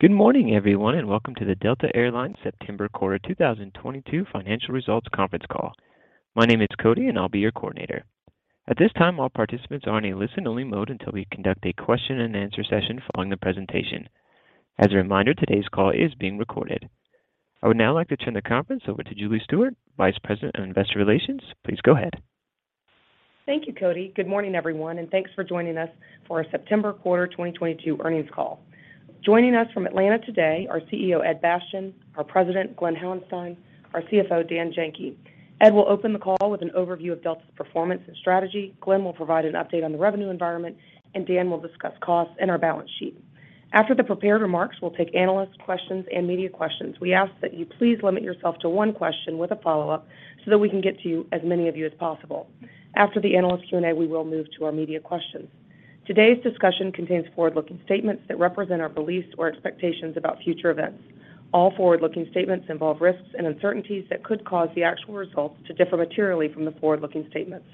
Good morning, everyone, and welcome to the Delta Air Lines September Quarter 2022 Financial Results conference call. My name is Cody, and I'll be your coordinator. At this time, all participants are in a listen-only mode until we conduct a question and answer session following the presentation. As a reminder, today's call is being recorded. I would now like to turn the conference over to Julie Stewart, Vice President of Investor Relations. Please go ahead. Thank you, Cody. Good morning, everyone, and thanks for joining us for our September quarter 2022 earnings call. Joining us from Atlanta today, our CEO, Ed Bastian, our President, Glen Hauenstein, our CFO, Dan Janki. Ed will open the call with an overview of Delta's performance and strategy. Glen will provide an update on the revenue environment, and Dan will discuss costs and our balance sheet. After the prepared remarks, we'll take analyst questions and media questions. We ask that you please limit yourself to one question with a follow-up so that we can get to as many of you as possible. After the analyst Q&A, we will move to our media questions. Today's discussion contains forward-looking statements that represent our beliefs or expectations about future events. All forward-looking statements involve risks and uncertainties that could cause the actual results to differ materially from the forward-looking statements.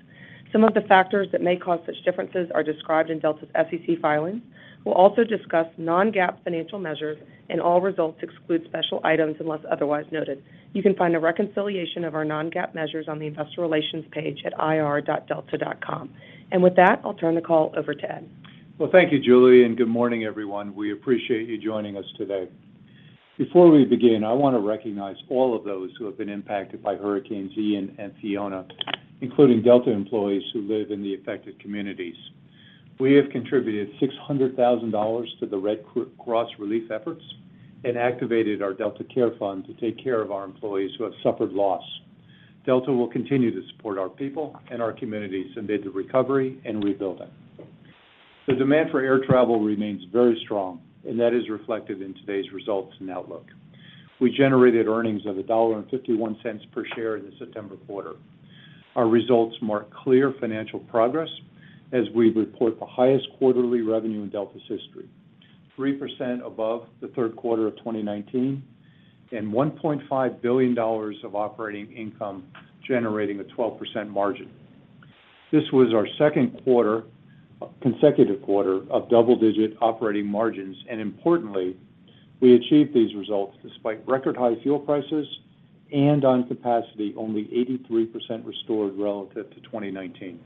Some of the factors that may cause such differences are described in Delta's SEC filings. We'll also discuss Non-GAAP financial measures and all results exclude special items unless otherwise noted. You can find a reconciliation of our Non-GAAP measures on the investor relations page at ir.delta.com. With that, I'll turn the call over to Ed. Well, thank you, Julie, and good morning, everyone. We appreciate you joining us today. Before we begin, I want to recognize all of those who have been impacted by Hurricane Ian and Hurricane Fiona, including Delta employees who live in the affected communities. We have contributed $600,000 to the American Red Cross relief efforts and activated our Delta Care Fund to take care of our employees who have suffered loss. Delta will continue to support our people and our communities amid the recovery and rebuilding. The demand for air travel remains very strong, and that is reflected in today's results and outlook. We generated earnings of $1.51 per share in the September quarter. Our results mark clear financial progress as we report the highest quarterly revenue in Delta's history, 3% above the third quarter of 2019, and $1.5 billion of operating income generating a 12% margin. This was our second consecutive quarter of double-digit operating margins, and importantly, we achieved these results despite record high fuel prices and on capacity only 83% restored relative to 2019.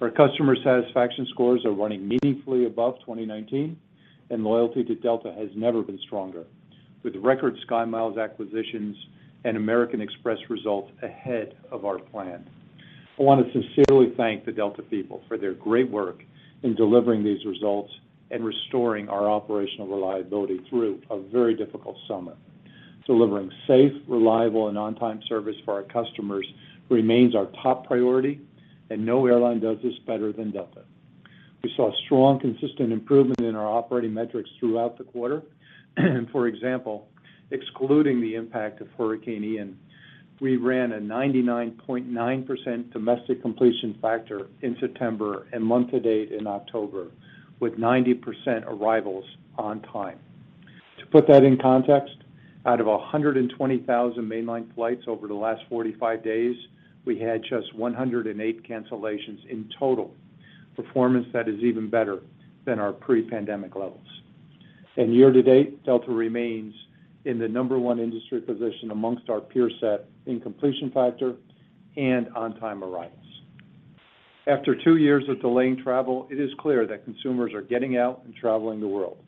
Our customer satisfaction scores are running meaningfully above 2019, and loyalty to Delta has never been stronger. With record SkyMiles acquisitions and American Express results ahead of our plan. I want to sincerely thank the Delta people for their great work in delivering these results and restoring our operational reliability through a very difficult summer. Delivering safe, reliable, and on-time service for our customers remains our top priority, and no airline does this better than Delta. We saw strong, consistent improvement in our operating metrics throughout the quarter. For example, excluding the impact of Hurricane Ian, we ran a 99.9% domestic completion factor in September and month to date in October, with 90% arrivals on time. To put that in context, out of 120,000 mainline flights over the last 45 days, we had just 108 cancellations in total, performance that is even better than our pre-pandemic levels. Year to date, Delta remains in the number one industry position amongst our peer set in completion factor and on-time arrivals. After two years of delaying travel, it is clear that consumers are getting out and traveling the world.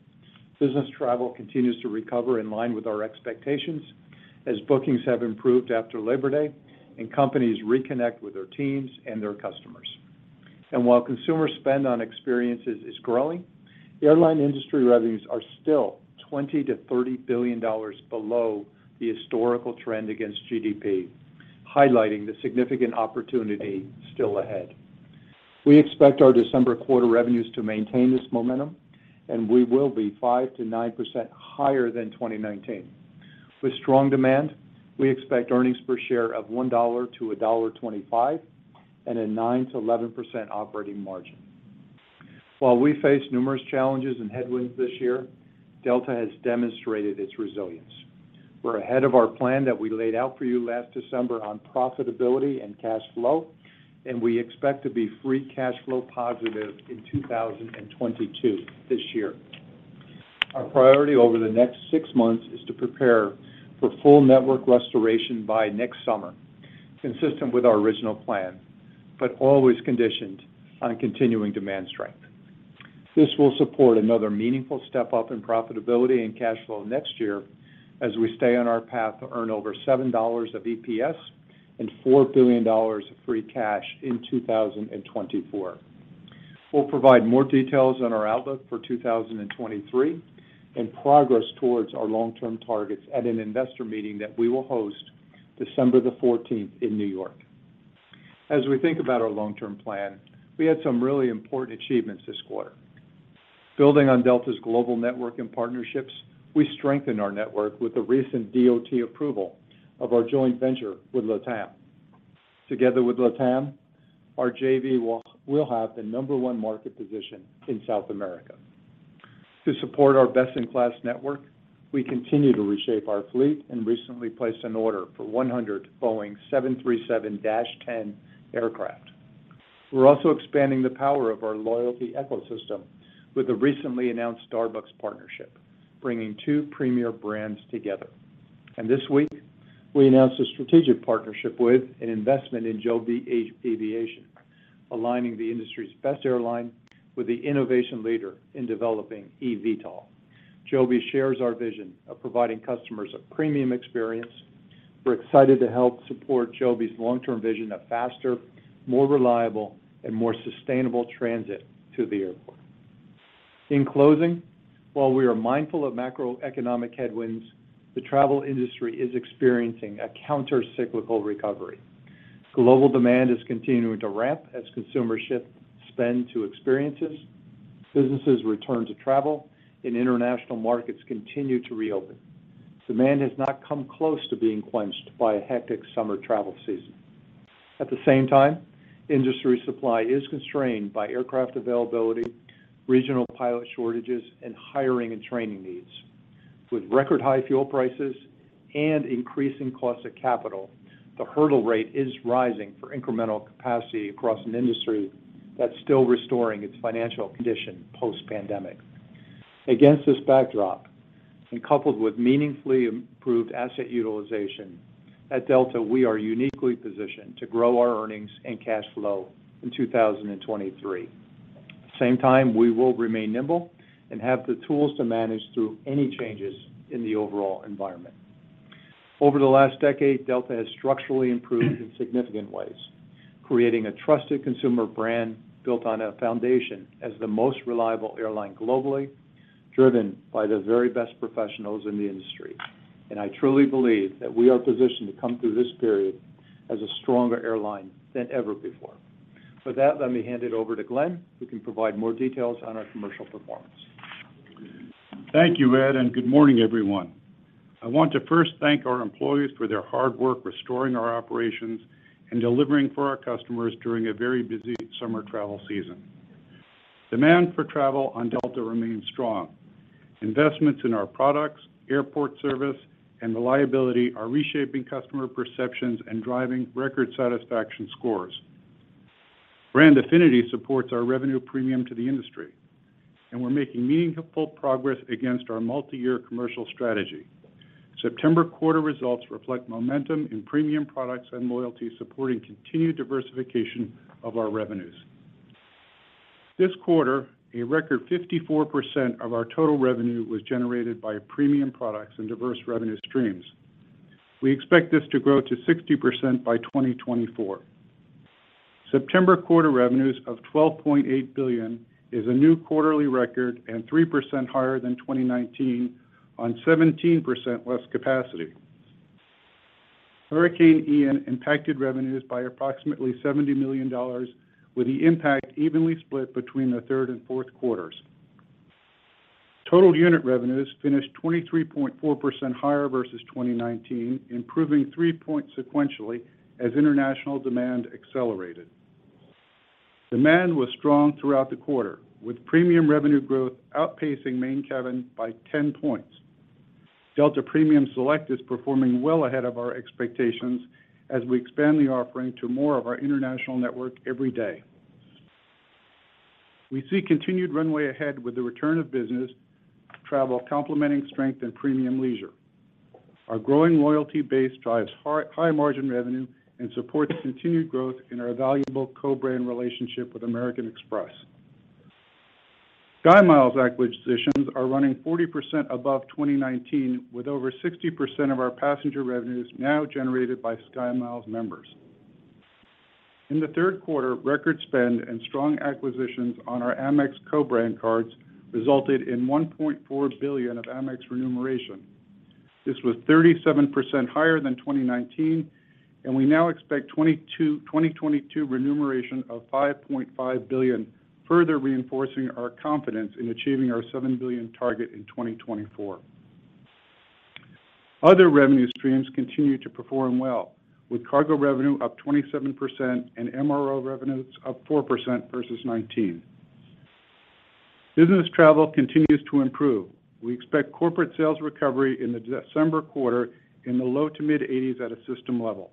Business travel continues to recover in line with our expectations as bookings have improved after Labor Day and companies reconnect with their teams and their customers. While consumer spend on experiences is growing, the airline industry revenues are still $20-$30 billion below the historical trend against GDP, highlighting the significant opportunity still ahead. We expect our December quarter revenues to maintain this momentum, and we will be 5%-9% higher than 2019. With strong demand, we expect earnings per share of $1-$1.25 and a 9%-11% operating margin. While we face numerous challenges and headwinds this year, Delta has demonstrated its resilience. We're ahead of our plan that we laid out for you last December on profitability and cash flow, and we expect to be free cash flow positive in 2022 this year. Our priority over the next six months is to prepare for full network restoration by next summer, consistent with our original plan, but always conditioned on continuing demand strength. This will support another meaningful step-up in profitability and cash flow next year as we stay on our path to earn over $7 of EPS and $4 billion of free cash in 2024. We'll provide more details on our outlook for 2023 and progress towards our long-term targets at an investor meeting that we will host December 14 in New York. As we think about our long-term plan, we had some really important achievements this quarter. Building on Delta's global network and partnerships, we strengthened our network with the recent DOT approval of our joint venture with LATAM. Together with LATAM, our JV will have the number one market position in South America. To support our best-in-class network, we continue to reshape our fleet and recently placed an order for 100 Boeing 737-10 aircraft. We're also expanding the power of our loyalty ecosystem with the recently announced Starbucks partnership, bringing two premier brands together. This week, we announced a strategic partnership with an investment in Joby Aviation, aligning the industry's best airline with the innovation leader in developing eVTOL. Joby shares our vision of providing customers a premium experience. We're excited to help support Joby's long-term vision of faster, more reliable, and more sustainable transit to the airport. In closing, while we are mindful of macroeconomic headwinds, the travel industry is experiencing a counter-cyclical recovery. Global demand is continuing to ramp as consumers shift spend to experiences, businesses return to travel, and international markets continue to reopen. Demand has not come close to being quenched by a hectic summer travel season. At the same time, industry supply is constrained by aircraft availability, regional pilot shortages, and hiring and training needs. With record high fuel prices and increasing costs of capital, the hurdle rate is rising for incremental capacity across an industry that's still restoring its financial condition post-pandemic. Against this backdrop, and coupled with meaningfully improved asset utilization, at Delta, we are uniquely positioned to grow our earnings and cash flow in 2023. Same time, we will remain nimble and have the tools to manage through any changes in the overall environment. Over the last decade, Delta has structurally improved in significant ways, creating a trusted consumer brand built on a foundation as the most reliable airline globally, driven by the very best professionals in the industry. I truly believe that we are positioned to come through this period as a stronger airline than ever before. For that, let me hand it over to Glen, who can provide more details on our commercial performance. Thank you, Ed, and good morning, everyone. I want to first thank our employees for their hard work restoring our operations and delivering for our customers during a very busy summer travel season. Demand for travel on Delta remains strong. Investments in our products, airport service, and reliability are reshaping customer perceptions and driving record satisfaction scores. Brand affinity supports our revenue premium to the industry, and we're making meaningful progress against our multi-year commercial strategy. September quarter results reflect momentum in premium products and loyalty supporting continued diversification of our revenues. This quarter, a record 54% of our total revenue was generated by premium products and diverse revenue streams. We expect this to grow to 60% by 2024. September quarter revenues of $12.8 billion is a new quarterly record and 3% higher than 2019 on 17% less capacity. Hurricane Ian impacted revenues by approximately $70 million, with the impact evenly split between the third and fourth quarters. Total unit revenues finished 23.4% higher versus 2019, improving three points sequentially as international demand accelerated. Demand was strong throughout the quarter, with premium revenue growth outpacing main cabin by 10 points. Delta Premium Select is performing well ahead of our expectations as we expand the offering to more of our international network every day. We see continued runway ahead with the return of business, travel complementing strength and premium leisure. Our growing loyalty base drives high margin revenue and supports continued growth in our valuable co-brand relationship with American Express. SkyMiles acquisitions are running 40% above 2019, with over 60% of our passenger revenues now generated by SkyMiles members. In the third quarter, record spend and strong acquisitions on our Amex co-brand cards resulted in $1.4 billion of Amex remuneration. This was 37% higher than 2019, and we now expect 2022 remuneration of $5.5 billion, further reinforcing our confidence in achieving our $7 billion target in 2024. Other revenue streams continue to perform well, with cargo revenue up 27% and MRO revenues up 4% versus 2019. Business travel continues to improve. We expect corporate sales recovery in the December quarter in the low to mid-80s at a system level.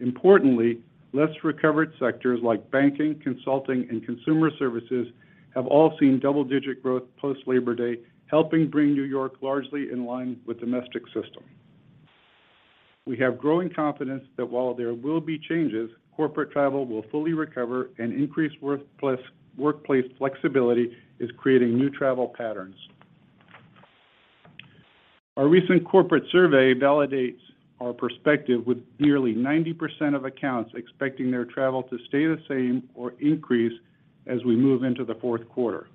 Importantly, less recovered sectors like banking, consulting, and consumer services have all seen double-digit growth post-Labor Day, helping bring New York largely in line with domestic system. We have growing confidence that while there will be changes, corporate travel will fully recover and increased work plus workplace flexibility is creating new travel patterns. Our recent corporate survey validates our perspective with nearly 90% of accounts expecting their travel to stay the same or increase as we move into the fourth quarter.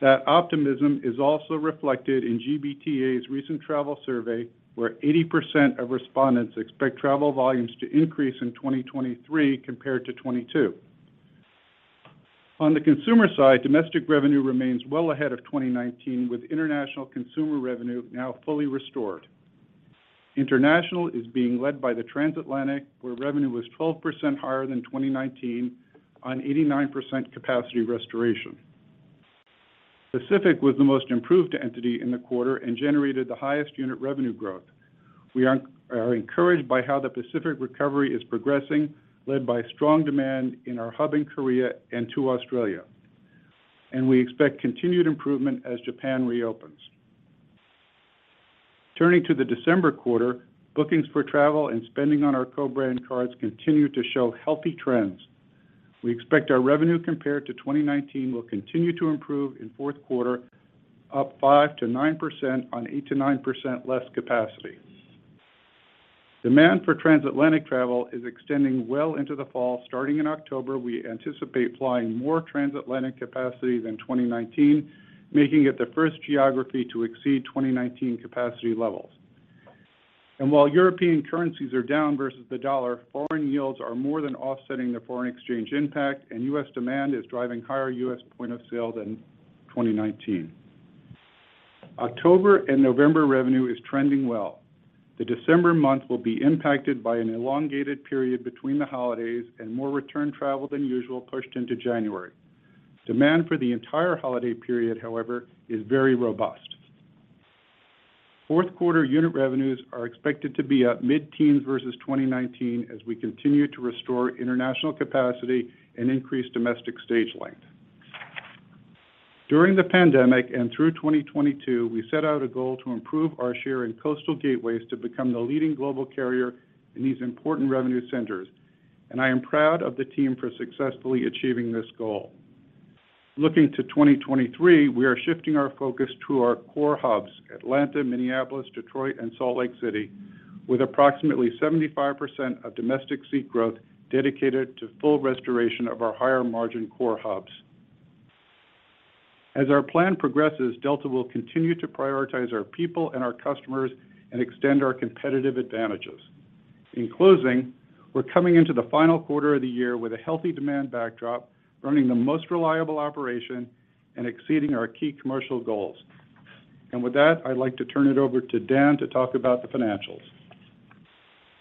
That optimism is also reflected in GBTA's recent travel survey, where 80% of respondents expect travel volumes to increase in 2023 compared to 2022. On the consumer side, domestic revenue remains well ahead of 2019, with international consumer revenue now fully restored. International is being led by the transatlantic, where revenue was 12% higher than 2019 on 89% capacity restoration. Pacific was the most improved entity in the quarter and generated the highest unit revenue growth. We are encouraged by how the Pacific recovery is progressing, led by strong demand in our hub in Korea and to Australia. We expect continued improvement as Japan reopens. Turning to the December quarter, bookings for travel and spending on our co-brand cards continue to show healthy trends. We expect our revenue compared to 2019 will continue to improve in fourth quarter, up 5%-9% on 8%-9% less capacity. Demand for transatlantic travel is extending well into the fall. Starting in October, we anticipate flying more transatlantic capacity than 2019, making it the first geography to exceed 2019 capacity levels. While European currencies are down versus the US dollar, foreign yields are more than offsetting the foreign exchange impact and U.S. demand is driving higher U.S. point of sale than 2019. October and November revenue is trending well. The December month will be impacted by an elongated period between the holidays and more return travel than usual pushed into January. Demand for the entire holiday period, however, is very robust. Fourth quarter unit revenues are expected to be up mid-teens% versus 2019 as we continue to restore international capacity and increase domestic stage length. During the pandemic and through 2022, we set out a goal to improve our share in coastal gateways to become the leading global carrier in these important revenue centers, and I am proud of the team for successfully achieving this goal. Looking to 2023, we are shifting our focus to our core hubs, Atlanta, Minneapolis, Detroit and Salt Lake City, with approximately 75% of domestic seat growth dedicated to full restoration of our higher margin core hubs. As our plan progresses, Delta will continue to prioritize our people and our customers and extend our competitive advantages. In closing, we're coming into the final quarter of the year with a healthy demand backdrop, running the most reliable operation and exceeding our key commercial goals. With that, I'd like to turn it over to Dan to talk about the financials.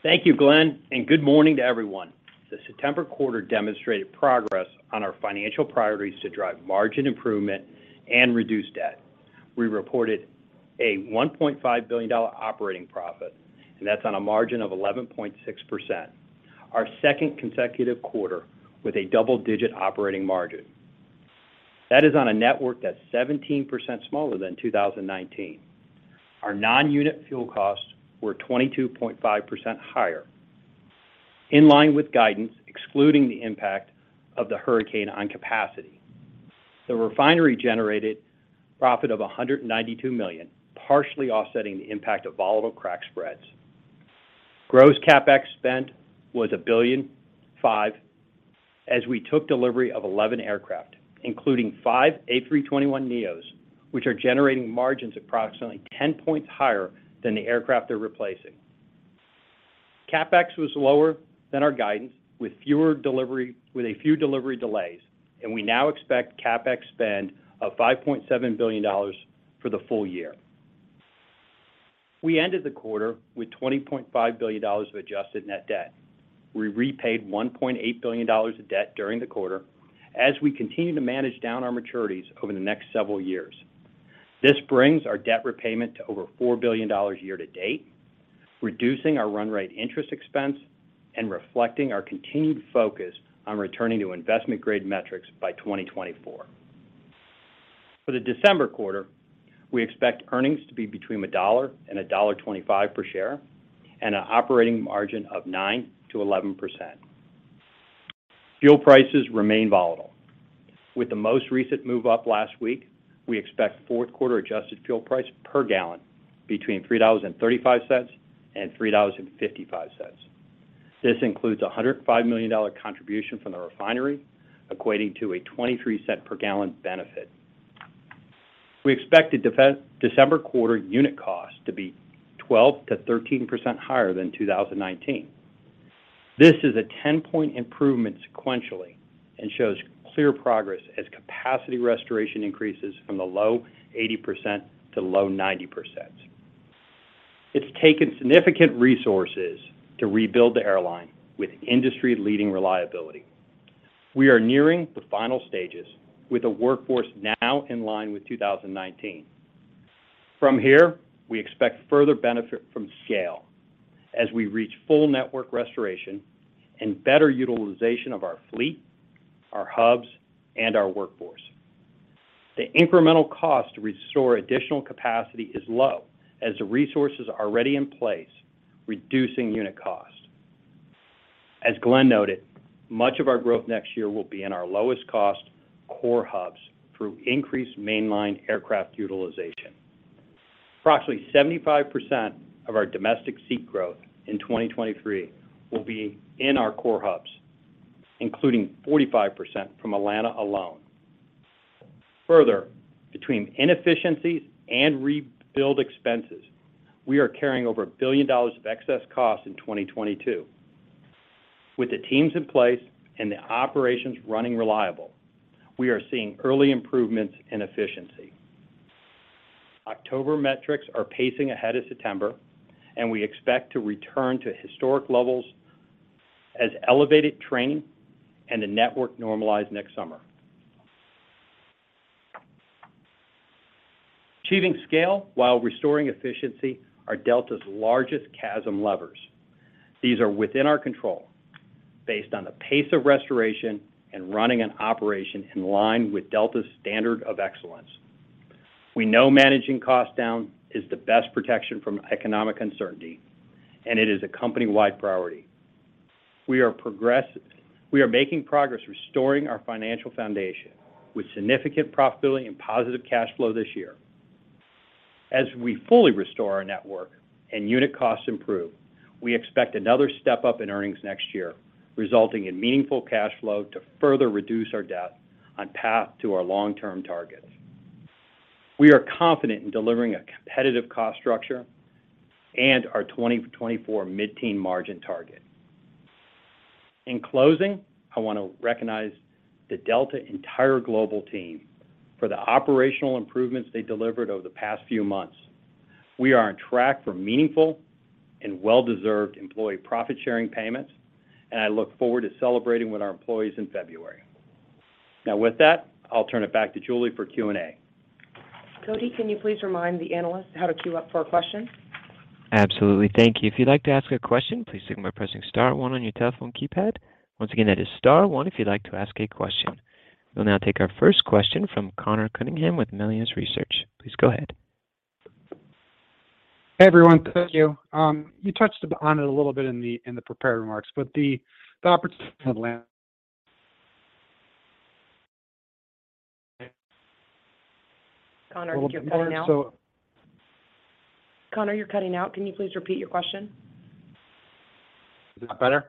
Thank you, Glen, and good morning to everyone. The September quarter demonstrated progress on our financial priorities to drive margin improvement and reduce debt. We reported a $1.5 billion operating profit, and that's on a margin of 11.6%. Our second consecutive quarter with a double-digit operating margin. That is on a network that's 17% smaller than 2019. Our non-unit fuel costs were 22.5% higher, in line with guidance excluding the impact of the hurricane on capacity. The refinery generated profit of $192 million, partially offsetting the impact of volatile crack spreads. Gross CapEx spend was $1.005 billion as we took delivery of 11 aircraft, including 5 A321neo, which are generating margins approximately 10 points higher than the aircraft they're replacing. CapEx was lower than our guidance with a few delivery delays, and we now expect CapEx spend of $5.7 billion for the full year. We ended the quarter with $20.5 billion of adjusted net debt. We repaid $1.8 billion of debt during the quarter as we continue to manage down our maturities over the next several years. This brings our debt repayment to over $4 billion year to date, reducing our run rate interest expense and reflecting our continued focus on returning to investment-grade metrics by 2024. For the December quarter, we expect earnings to be between $1 and $1.25 per share and an operating margin of 9%-11%. Fuel prices remain volatile. With the most recent move up last week, we expect fourth quarter adjusted fuel price per gallon between $3.35 and $3.55. This includes a $105 million contribution from the refinery, equating to a $0.23 per gallon benefit. We expect the December quarter unit cost to be 12%-13% higher than 2019. This is a 10-point improvement sequentially and shows clear progress as capacity restoration increases from the low 80% to low 90%. It's taken significant resources to rebuild the airline with industry-leading reliability. We are nearing the final stages with a workforce now in line with 2019. From here, we expect further benefit from scale as we reach full network restoration and better utilization of our fleet, our hubs, and our workforce. The incremental cost to restore additional capacity is low as the resources are already in place, reducing unit cost. As Glen noted, much of our growth next year will be in our lowest cost core hubs through increased mainline aircraft utilization. Approximately 75% of our domestic seat growth in 2023 will be in our core hubs, including 45% from Atlanta alone. Further, between inefficiencies and rebuild expenses, we are carrying over $1 billion of excess costs in 2022. With the teams in place and the operations running reliably, we are seeing early improvements in efficiency. October metrics are pacing ahead of September, and we expect to return to historic levels as elevated training and the network normalize next summer. Achieving scale while restoring efficiency are Delta's largest CASM levers. These are within our control based on the pace of restoration and running an operation in line with Delta's standard of excellence. We know managing costs down is the best protection from economic uncertainty, and it is a company-wide priority. We are progressing. We are making progress restoring our financial foundation with significant profitability and positive cash flow this year. As we fully restore our network and unit costs improve, we expect another step-up in earnings next year, resulting in meaningful cash flow to further reduce our debt on path to our long-term targets. We are confident in delivering a competitive cost structure and our 2024 mid-teens % margin target. In closing, I want to recognize the entire Delta global team for the operational improvements they delivered over the past few months. We are on track for meaningful and well-deserved employee profit-sharing payments, and I look forward to celebrating with our employees in February. Now, with that, I'll turn it back to Julie for Q&A. Cody, can you please remind the analysts how to queue up for a question? Absolutely. Thank you. If you'd like to ask a question, please signal by pressing star one on your telephone keypad. Once again, that is star one if you'd like to ask a question. We'll now take our first question from Conor Cunningham with Melius Research. Please go ahead. Hey, everyone. Thank you. You touched on it a little bit in the prepared remarks, but the opportunity of land- Conor, you're cutting out. A little bit more. Conor, you're cutting out. Can you please repeat your question? Is that better?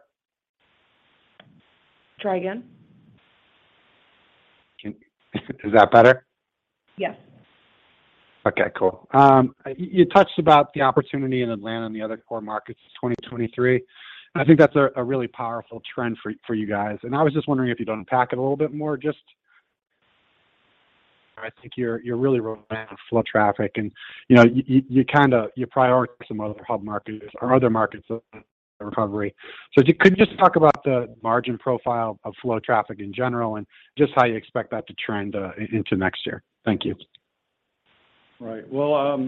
Try again. Is that better? Yes. Okay, cool. You touched about the opportunity in Atlanta and the other core markets in 2023. I think that's a really powerful trend for you guys. I was just wondering if you'd unpack it a little bit more, just I think you're really relevant to flow traffic and, you know, you kind of prioritize some other hub markets or other markets of the recovery. If you could just talk about the margin profile of flow traffic in general and just how you expect that to trend into next year. Thank you. Right. Well,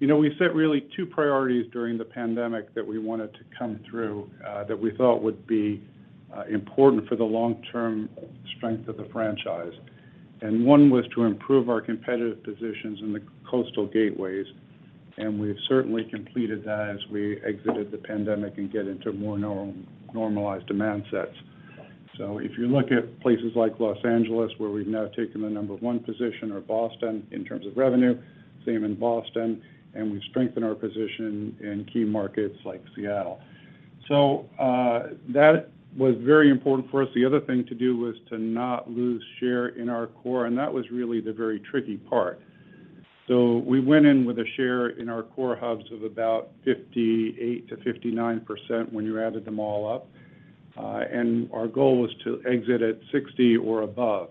you know, we set really two priorities during the pandemic that we wanted to come through, that we thought would be important for the long-term strength of the franchise. One was to improve our competitive positions in the coastal gateways, and we've certainly completed that as we exited the pandemic and get into more normalized demand sets. If you look at places like Los Angeles, where we've now taken the number one position, or Boston, in terms of revenue, same in Boston, and we've strengthened our position in key markets like Seattle. That was very important for us. The other thing to do was to not lose share in our core, and that was really the very tricky part. We went in with a share in our core hubs of about 58%-59% when you added them all up. Our goal was to exit at 60 or above,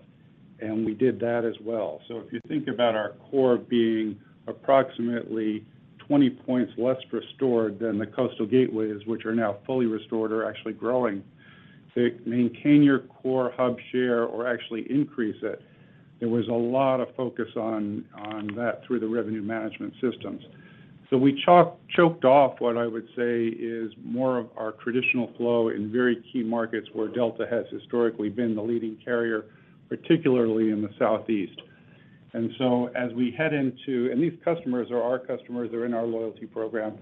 and we did that as well. If you think about our core being approximately 20 points less restored than the coastal gateways, which are now fully restored or actually growing, to maintain your core hub share or actually increase it, there was a lot of focus on that through the revenue management systems. We choked off what I would say is more of our traditional flow in very key markets where Delta has historically been the leading carrier, particularly in the Southeast. These customers are our customers. They're in our loyalty program.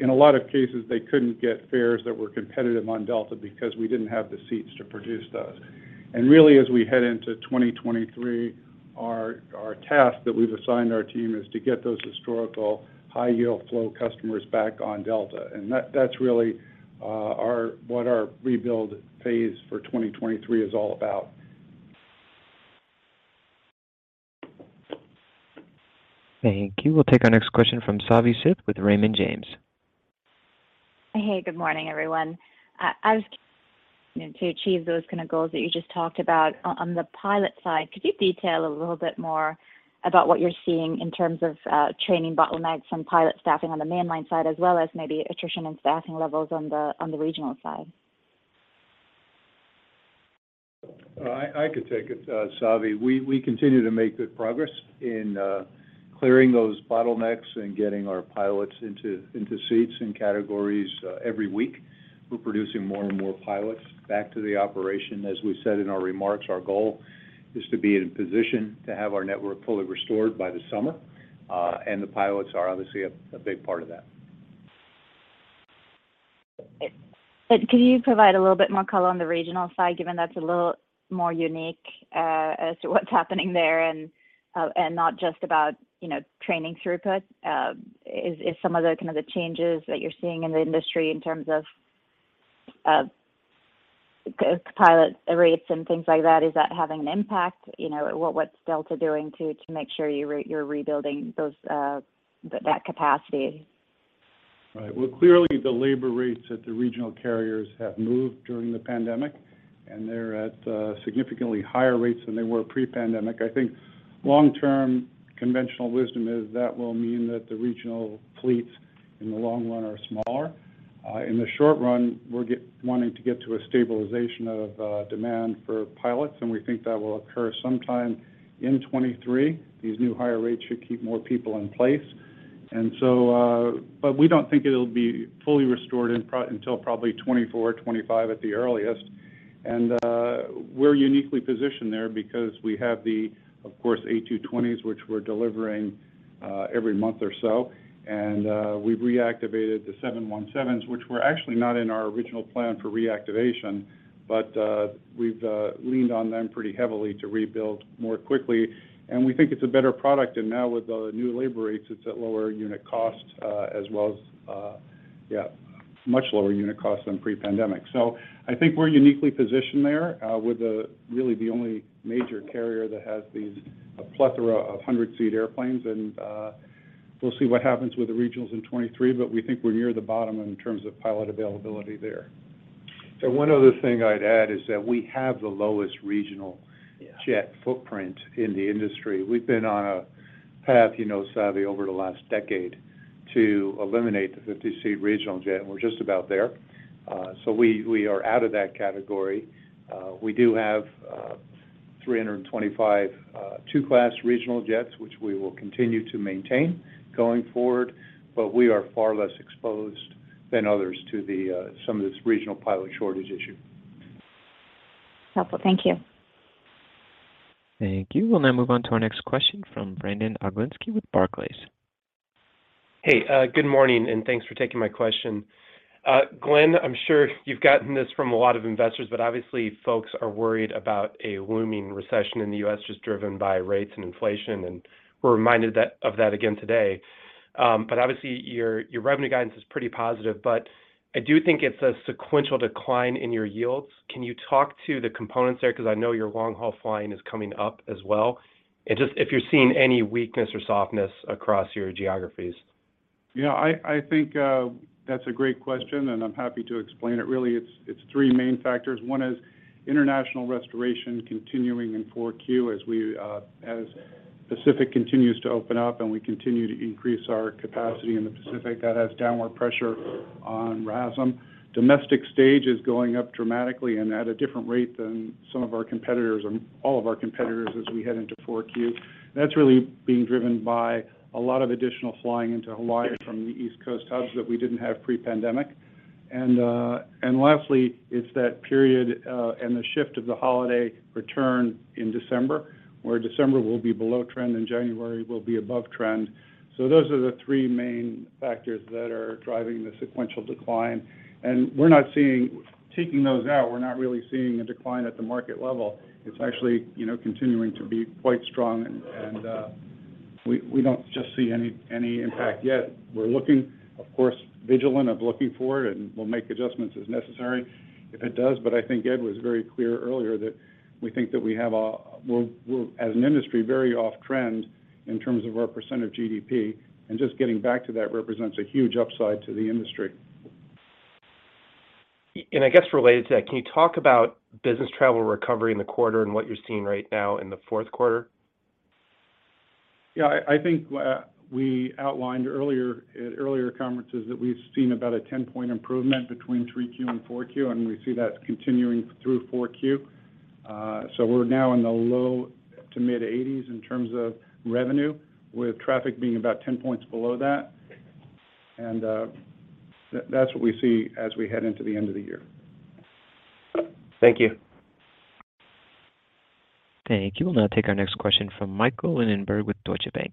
In a lot of cases, they couldn't get fares that were competitive on Delta because we didn't have the seats to produce those. Really, as we head into 2023, our task that we've assigned our team is to get those historical high-yield flow customers back on Delta. That's really what our rebuild phase for 2023 is all about. Thank you. We'll take our next question from Savanthi Syth with Raymond James. Hey, good morning, everyone. I was, you know, to achieve those kind of goals that you just talked about on the pilot side, could you detail a little bit more about what you're seeing in terms of training bottlenecks on pilot staffing on the mainline side, as well as maybe attrition and staffing levels on the regional side? I could take it, Savi. We continue to make good progress in clearing those bottlenecks and getting our pilots into seats and categories every week. We're producing more and more pilots back to the operation. As we said in our remarks, our goal is to be in a position to have our network fully restored by the summer, and the pilots are obviously a big part of that. Could you provide a little bit more color on the regional side, given that's a little more unique, as to what's happening there and not just about, you know, training throughput? Is some of the, kind of, the changes that you're seeing in the industry in terms of, pilot rates and things like that, is that having an impact? You know, what's Delta doing to make sure you're rebuilding that capacity? Right. Well, clearly the labor rates at the regional carriers have moved during the pandemic, and they're at significantly higher rates than they were pre-pandemic. I think long-term conventional wisdom is that will mean that the regional fleets in the long run are smaller. In the short run, we're wanting to get to a stabilization of demand for pilots, and we think that will occur sometime in 2023. These new higher rates should keep more people in place. We don't think it'll be fully restored until probably 2024, 2025 at the earliest. We're uniquely positioned there because we have, of course, the A220, which we're delivering every month or so. We've reactivated the 717, which were actually not in our original plan for reactivation, but we've leaned on them pretty heavily to rebuild more quickly. We think it's a better product, and now with the new labor rates, it's at lower unit cost, as well as, yeah, much lower unit cost than pre-pandemic. I think we're uniquely positioned there, with really the only major carrier that has these plethora of hundred-seat airplanes. We'll see what happens with the regionals in 2023, but we think we're near the bottom in terms of pilot availability there. One other thing I'd add is that we have the lowest regional. Yeah Regional jet footprint in the industry. We've been on a path, you know, Savanthi, over the last decade to eliminate the 50-seat regional jet, and we're just about there. We are out of that category. We do have 325 two-class regional jets, which we will continue to maintain going forward, but we are far less exposed than others to some of this regional pilot shortage issue. Helpful. Thank you. Thank you. We'll now move on to our next question from Brandon Oglenski with Barclays. Hey, good morning, and thanks for taking my question. Glen, I'm sure you've gotten this from a lot of investors, but obviously folks are worried about a looming recession in the U.S. just driven by rates and inflation, and we're reminded of that again today. Obviously your revenue guidance is pretty positive, but I do think it's a sequential decline in your yields. Can you talk to the components there? Because I know your long-haul flying is coming up as well. Just if you're seeing any weakness or softness across your geographies. Yeah, I think that's a great question, and I'm happy to explain it. Really, it's three main factors. One is international restoration continuing in 4Q as we, as Pacific continues to open up and we continue to increase our capacity in the Pacific. That has downward pressure on RASM. Domestic gauge is going up dramatically and at a different rate than some of our competitors or all of our competitors as we head into 4Q. That's really being driven by a lot of additional flying into Hawaii from the East Coast hubs that we didn't have pre-pandemic. And lastly, it's that period and the shift of the holiday return in December, where December will be below trend and January will be above trend. Those are the three main factors that are driving the sequential decline. We're not seeing, taking those out, we're not really seeing a decline at the market level. It's actually, you know, continuing to be quite strong and we don't just see any impact yet. We're looking, of course, vigilant, looking for it, and we'll make adjustments as necessary if it does. I think Ed was very clear earlier that we think that as an industry, we're very off trend in terms of our % of GDP, and just getting back to that represents a huge upside to the industry. I guess related to that, can you talk about business travel recovery in the quarter and what you're seeing right now in the fourth quarter? Yeah, I think we outlined earlier at earlier conferences that we've seen about a 10-point improvement between 3Q and 4Q, and we see that continuing through 4Q. We're now in the low to mid-80s in terms of revenue, with traffic being about 10 points below that. That's what we see as we head into the end of the year. Thank you. Thank you. We'll now take our next question from Michael Linenberg with Deutsche Bank.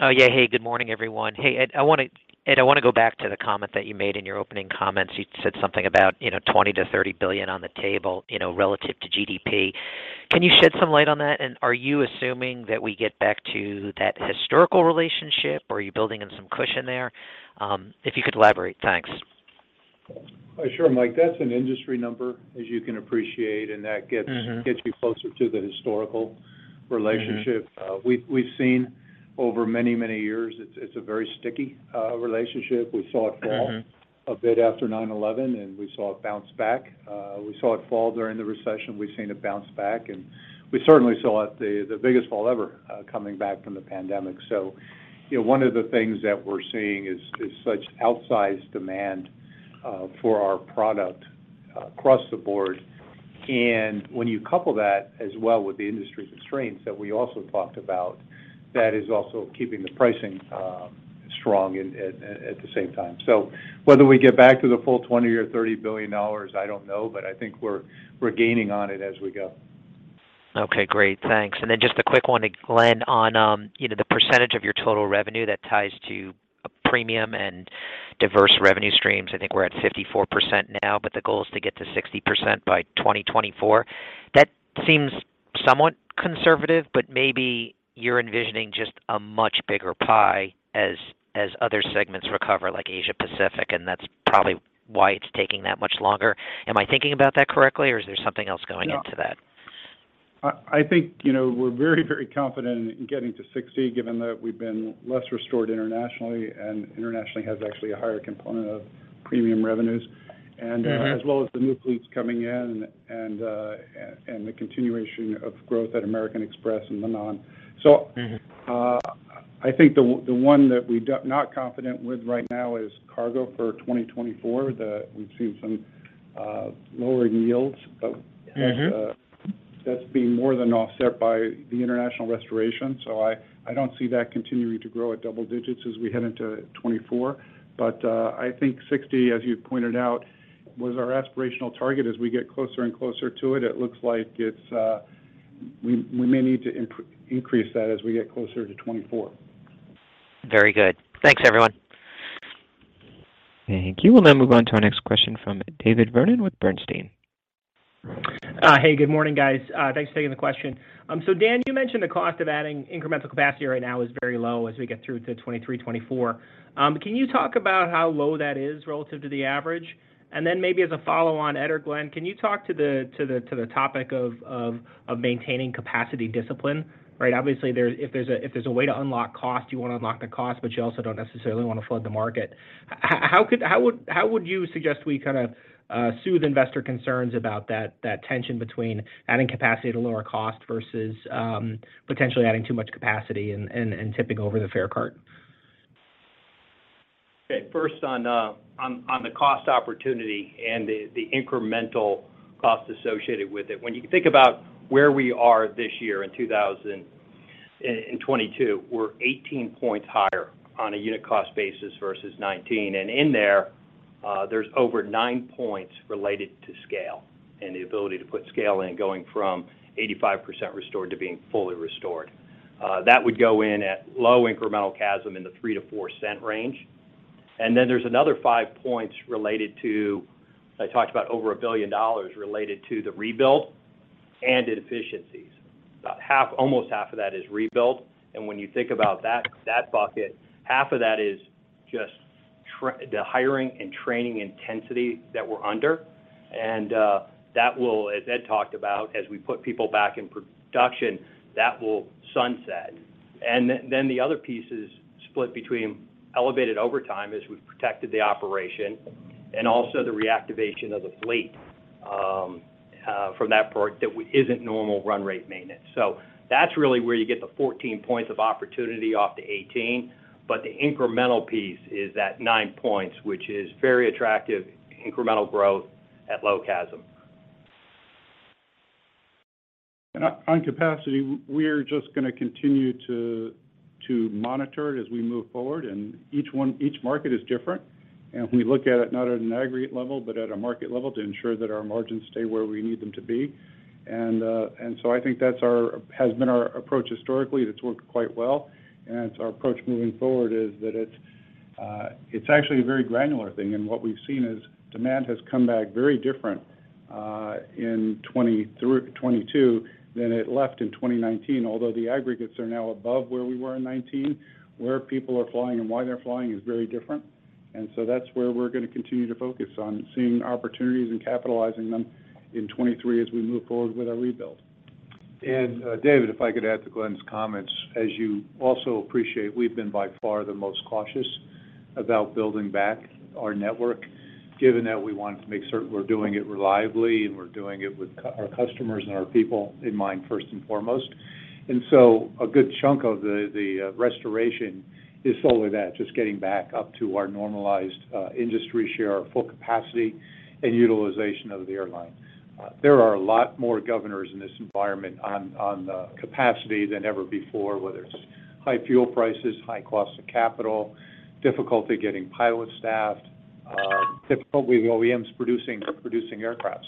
Oh, yeah. Hey, good morning, everyone. Hey, Ed, I wanna go back to the comment that you made in your opening comments. You said something about, you know, $20 billion-$30 billion on the table, you know, relative to GDP. Can you shed some light on that? Are you assuming that we get back to that historical relationship, or are you building in some cushion there? If you could elaborate. Thanks. Sure, Mike. That's an industry number, as you can appreciate, and that gets Gets you closer to the historical relationship. We've seen over many years, it's a very sticky relationship. We saw it fall a bit after 9/11, we saw it bounce back. We saw it fall during the recession. We've seen it bounce back. We certainly saw the biggest fall ever coming back from the pandemic. You know, one of the things that we're seeing is such outsized demand for our product across the board. When you couple that as well with the industry constraints that we also talked about, that is also keeping the pricing strong at the same time. Whether we get back to the full $20 billion or $30 billion, I don't know, but I think we're gaining on it as we go. Okay, great. Thanks. Then just a quick one to Glen on, you know, the percentage of your total revenue that ties to a premium and diverse revenue streams. I think we're at 54% now, but the goal is to get to 60% by 2024. That seems somewhat conservative, but maybe you're envisioning just a much bigger pie as other segments recover, like Asia-Pacific, and that's probably why it's taking that much longer. Am I thinking about that correctly, or is there something else going into that? I think, you know, we're very, very confident in getting to 60, given that we've been less restored internationally, and internationally has actually a higher component of premium revenues as well as the new fleets coming in and the continuation of growth at American Express and MRO. I think the one that we do not confident with right now is cargo for 2024, that we've seen some lowering yields of That's being more than offset by the international restoration. I don't see that continuing to grow at double digits as we head into 2024. I think 60, as you pointed out, was our aspirational target. As we get closer and closer to it looks like we may need to increase that as we get closer to 2024. Very good. Thanks, everyone. Thank you. We'll now move on to our next question from David Vernon with Bernstein. Hey, good morning, guys. Thanks for taking the question. So Dan, you mentioned the cost of adding incremental capacity right now is very low as we get through to 2023, 2024. Can you talk about how low that is relative to the average? Then maybe as a follow-on, Ed or Glen, can you talk to the topic of maintaining capacity discipline, right? Obviously, if there's a way to unlock cost, you wanna unlock the cost, but you also don't necessarily wanna flood the market. How would you suggest we kind of soothe investor concerns about that tension between adding capacity to lower cost versus potentially adding too much capacity and tipping over the fare chart? Okay. First on the cost opportunity and the incremental cost associated with it. When you think about where we are this year in 2022, we're 18 points higher on a unit cost basis versus 2019. In there's over 9 points related to scale and the ability to put scale in going from 85% restored to being fully restored. That would go in at low incremental CASM in the $0.03-$0.04 range. Then there's another 5 points related to, I talked about over $1 billion, related to the rebuild and inefficiencies. About half, almost half of that is rebuilt, and when you think about that bucket, half of that is just the hiring and training intensity that we're under. That will, as Ed talked about, as we put people back in production, that will sunset. The other piece is split between elevated overtime as we've protected the operation, and also the reactivation of the fleet, from that part that isn't normal run rate maintenance. That's really where you get the 14 points of opportunity off the 18. The incremental piece is that 9 points, which is very attractive incremental growth at low CASM. On capacity, we're just gonna continue to monitor it as we move forward, and each market is different. We look at it not at an aggregate level, but at a market level to ensure that our margins stay where we need them to be. I think that's our has been our approach historically, it's worked quite well. It's our approach moving forward is that it's actually a very granular thing. What we've seen is demand has come back very different in 2022 than it left in 2019. Although the aggregates are now above where we were in 2019, where people are flying and why they're flying is very different. That's where we're gonna continue to focus on, seeing opportunities and capitalizing them in 2023 as we move forward with our rebuild. David, if I could add to Glen's comments. As you also appreciate, we've been by far the most cautious about building back our network, given that we wanted to make certain we're doing it reliably and we're doing it with our customers and our people in mind first and foremost. A good chunk of the restoration is solely that, just getting back up to our normalized industry share, our full capacity and utilization of the airline. There are a lot more governors in this environment on the capacity than ever before, whether it's high fuel prices, high costs of capital, difficulty getting pilot staffed, difficulty with OEMs producing aircraft.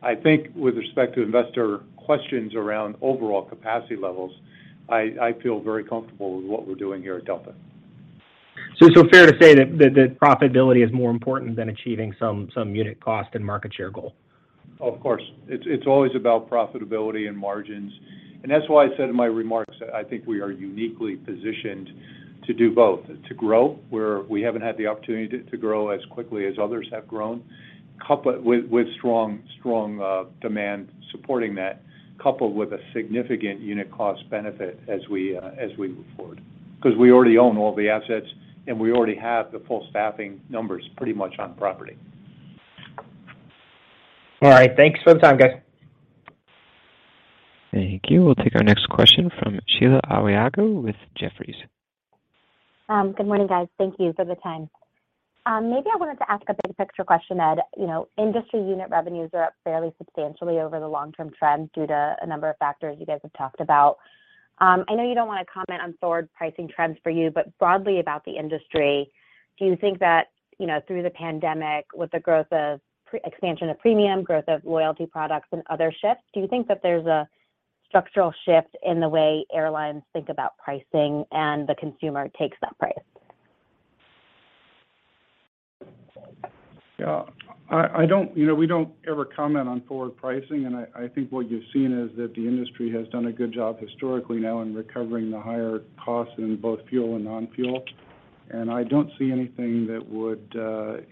I think with respect to investor questions around overall capacity levels, I feel very comfortable with what we're doing here at Delta. It's fair to say that profitability is more important than achieving some unit cost and market share goal? Of course. It's always about profitability and margins. That's why I said in my remarks, I think we are uniquely positioned to do both, to grow where we haven't had the opportunity to grow as quickly as others have grown, coupled with strong demand supporting that, coupled with a significant unit cost benefit as we move forward. Because we already own all the assets, and we already have the full staffing numbers pretty much on property. All right. Thanks for the time, guys. Thank you. We'll take our next question from Sheila Kahyaoglu with Jefferies. Good morning, guys. Thank you for the time. Maybe I wanted to ask a big picture question, Ed. You know, industry unit revenues are up fairly substantially over the long-term trend due to a number of factors you guys have talked about. I know you don't wanna comment on forward pricing trends for you, but broadly about the industry, do you think that, you know, through the pandemic, with the growth of expansion of premium, growth of loyalty products and other shifts, do you think that there's a structural shift in the way airlines think about pricing and the consumer takes that price? Yeah. I don't, you know, we don't ever comment on forward pricing, and I think what you've seen is that the industry has done a good job historically now in recovering the higher costs in both fuel and non-fuel. I don't see anything that would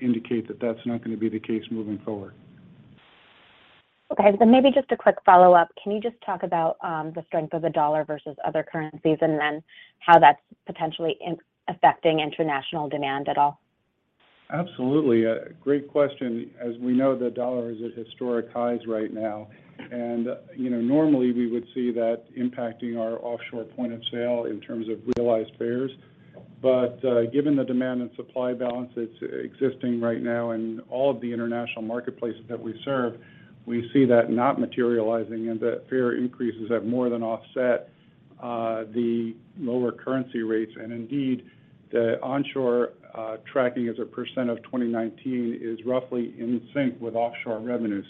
indicate that that's not gonna be the case moving forward. Okay. Maybe just a quick follow-up. Can you just talk about the strength of the US dollar versus other currencies, and how that's potentially affecting international demand at all? Absolutely. A great question. As we know, the dollar is at historic highs right now. You know, normally, we would see that impacting our offshore point of sale in terms of realized fares. Given the demand and supply balance that's existing right now in all of the international marketplaces that we serve, we see that not materializing and that fare increases have more than offset the lower currency rates. Indeed, the onshore tracking as a % of 2019 is roughly in sync with offshore revenue.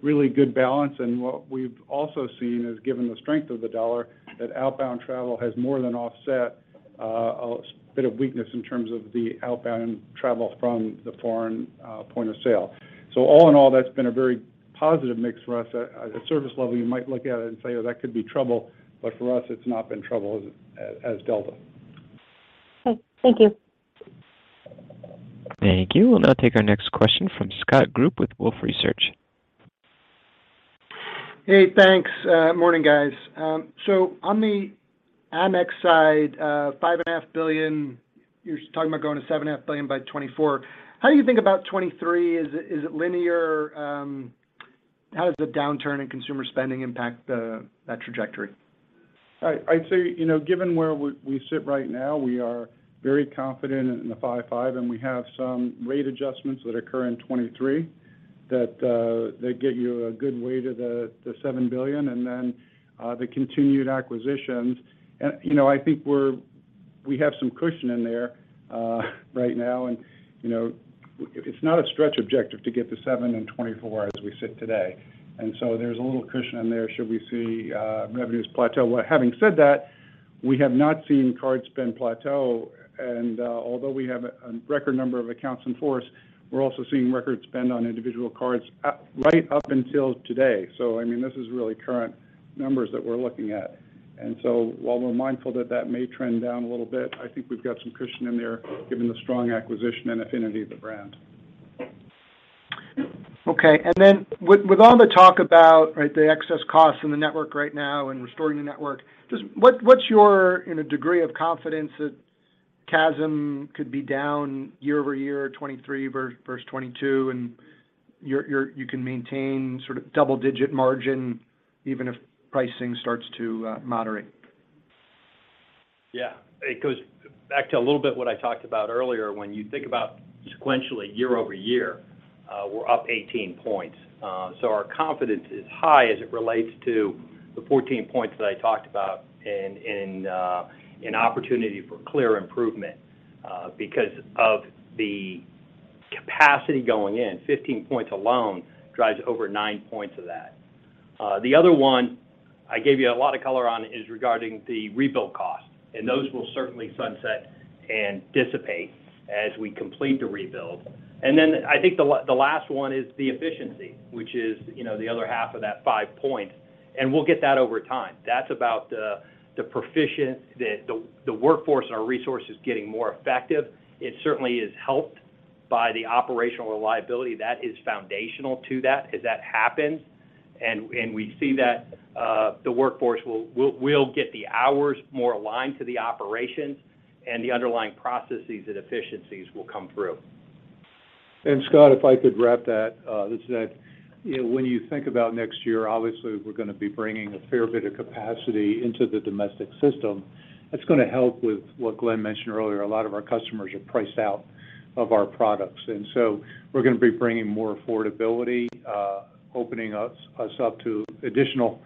Really good balance. What we've also seen is, given the strength of the dollar, that outbound travel has more than offset a bit of weakness in terms of the outbound travel from the foreign point of sale. All in all, that's been a very positive mix for us. At service level, you might look at it and say, "Oh, that could be trouble," but for us, it's not been trouble as Delta. Okay. Thank you. Thank you. We'll now take our next question from Scott Group with Wolfe Research. Hey, thanks. Morning, guys. On the Amex side, $5.5 billion, you're talking about going to $7.5 billion by 2024. How do you think about 2023? Is it linear? How does the downturn in consumer spending impact that trajectory? I'd say, you know, given where we sit right now, we are very confident in the $5.5 billion, and we have some rate adjustments that occur in 2023 that get you a good way to the $7 billion. Then the continued acquisitions. You know, I think we have some cushion in there right now. You know, it's not a stretch objective to get to $7 billion in 2024 as we sit today. There's a little cushion in there should we see revenues plateau. Having said that, we have not seen card spend plateau. Although we have a record number of accounts in force, we're also seeing record spend on individual cards right up until today. I mean, this is really current numbers that we're looking at. While we're mindful that that may trend down a little bit, I think we've got some cushion in there given the strong acquisition and affinity of the brand. Okay. With all the talk about, right, the excess costs in the network right now and restoring the network, just what's your degree of confidence that CASM could be down year-over-year, 23 versus 22, and you can maintain sort of double-digit margin even if pricing starts to moderate? Yeah. It goes back to a little bit what I talked about earlier. When you think about sequentially year-over-year, we're up 18 points. Our confidence is high as it relates to the 14 points that I talked about in an opportunity for clear improvement because of the capacity going in. 15 points alone drives over 9 points of that. The other one I gave you a lot of color on is regarding the rebuild cost, and those will certainly sunset and dissipate as we complete the rebuild. I think the last one is the efficiency, which is, you know, the other half of that 5 point, and we'll get that over time. That's about the workforce and our resources getting more effective. It certainly is helped by the operational reliability. That is foundational to that. As that happens, and we see that, the workforce will get the hours more aligned to the operations, and the underlying processes and efficiencies will come through. Scott, if I could wrap that, you know, when you think about next year, obviously we're gonna be bringing a fair bit of capacity into the domestic system. That's gonna help with what Glen mentioned earlier. A lot of our customers are priced out of our products. We're gonna be bringing more affordability, opening us up to additional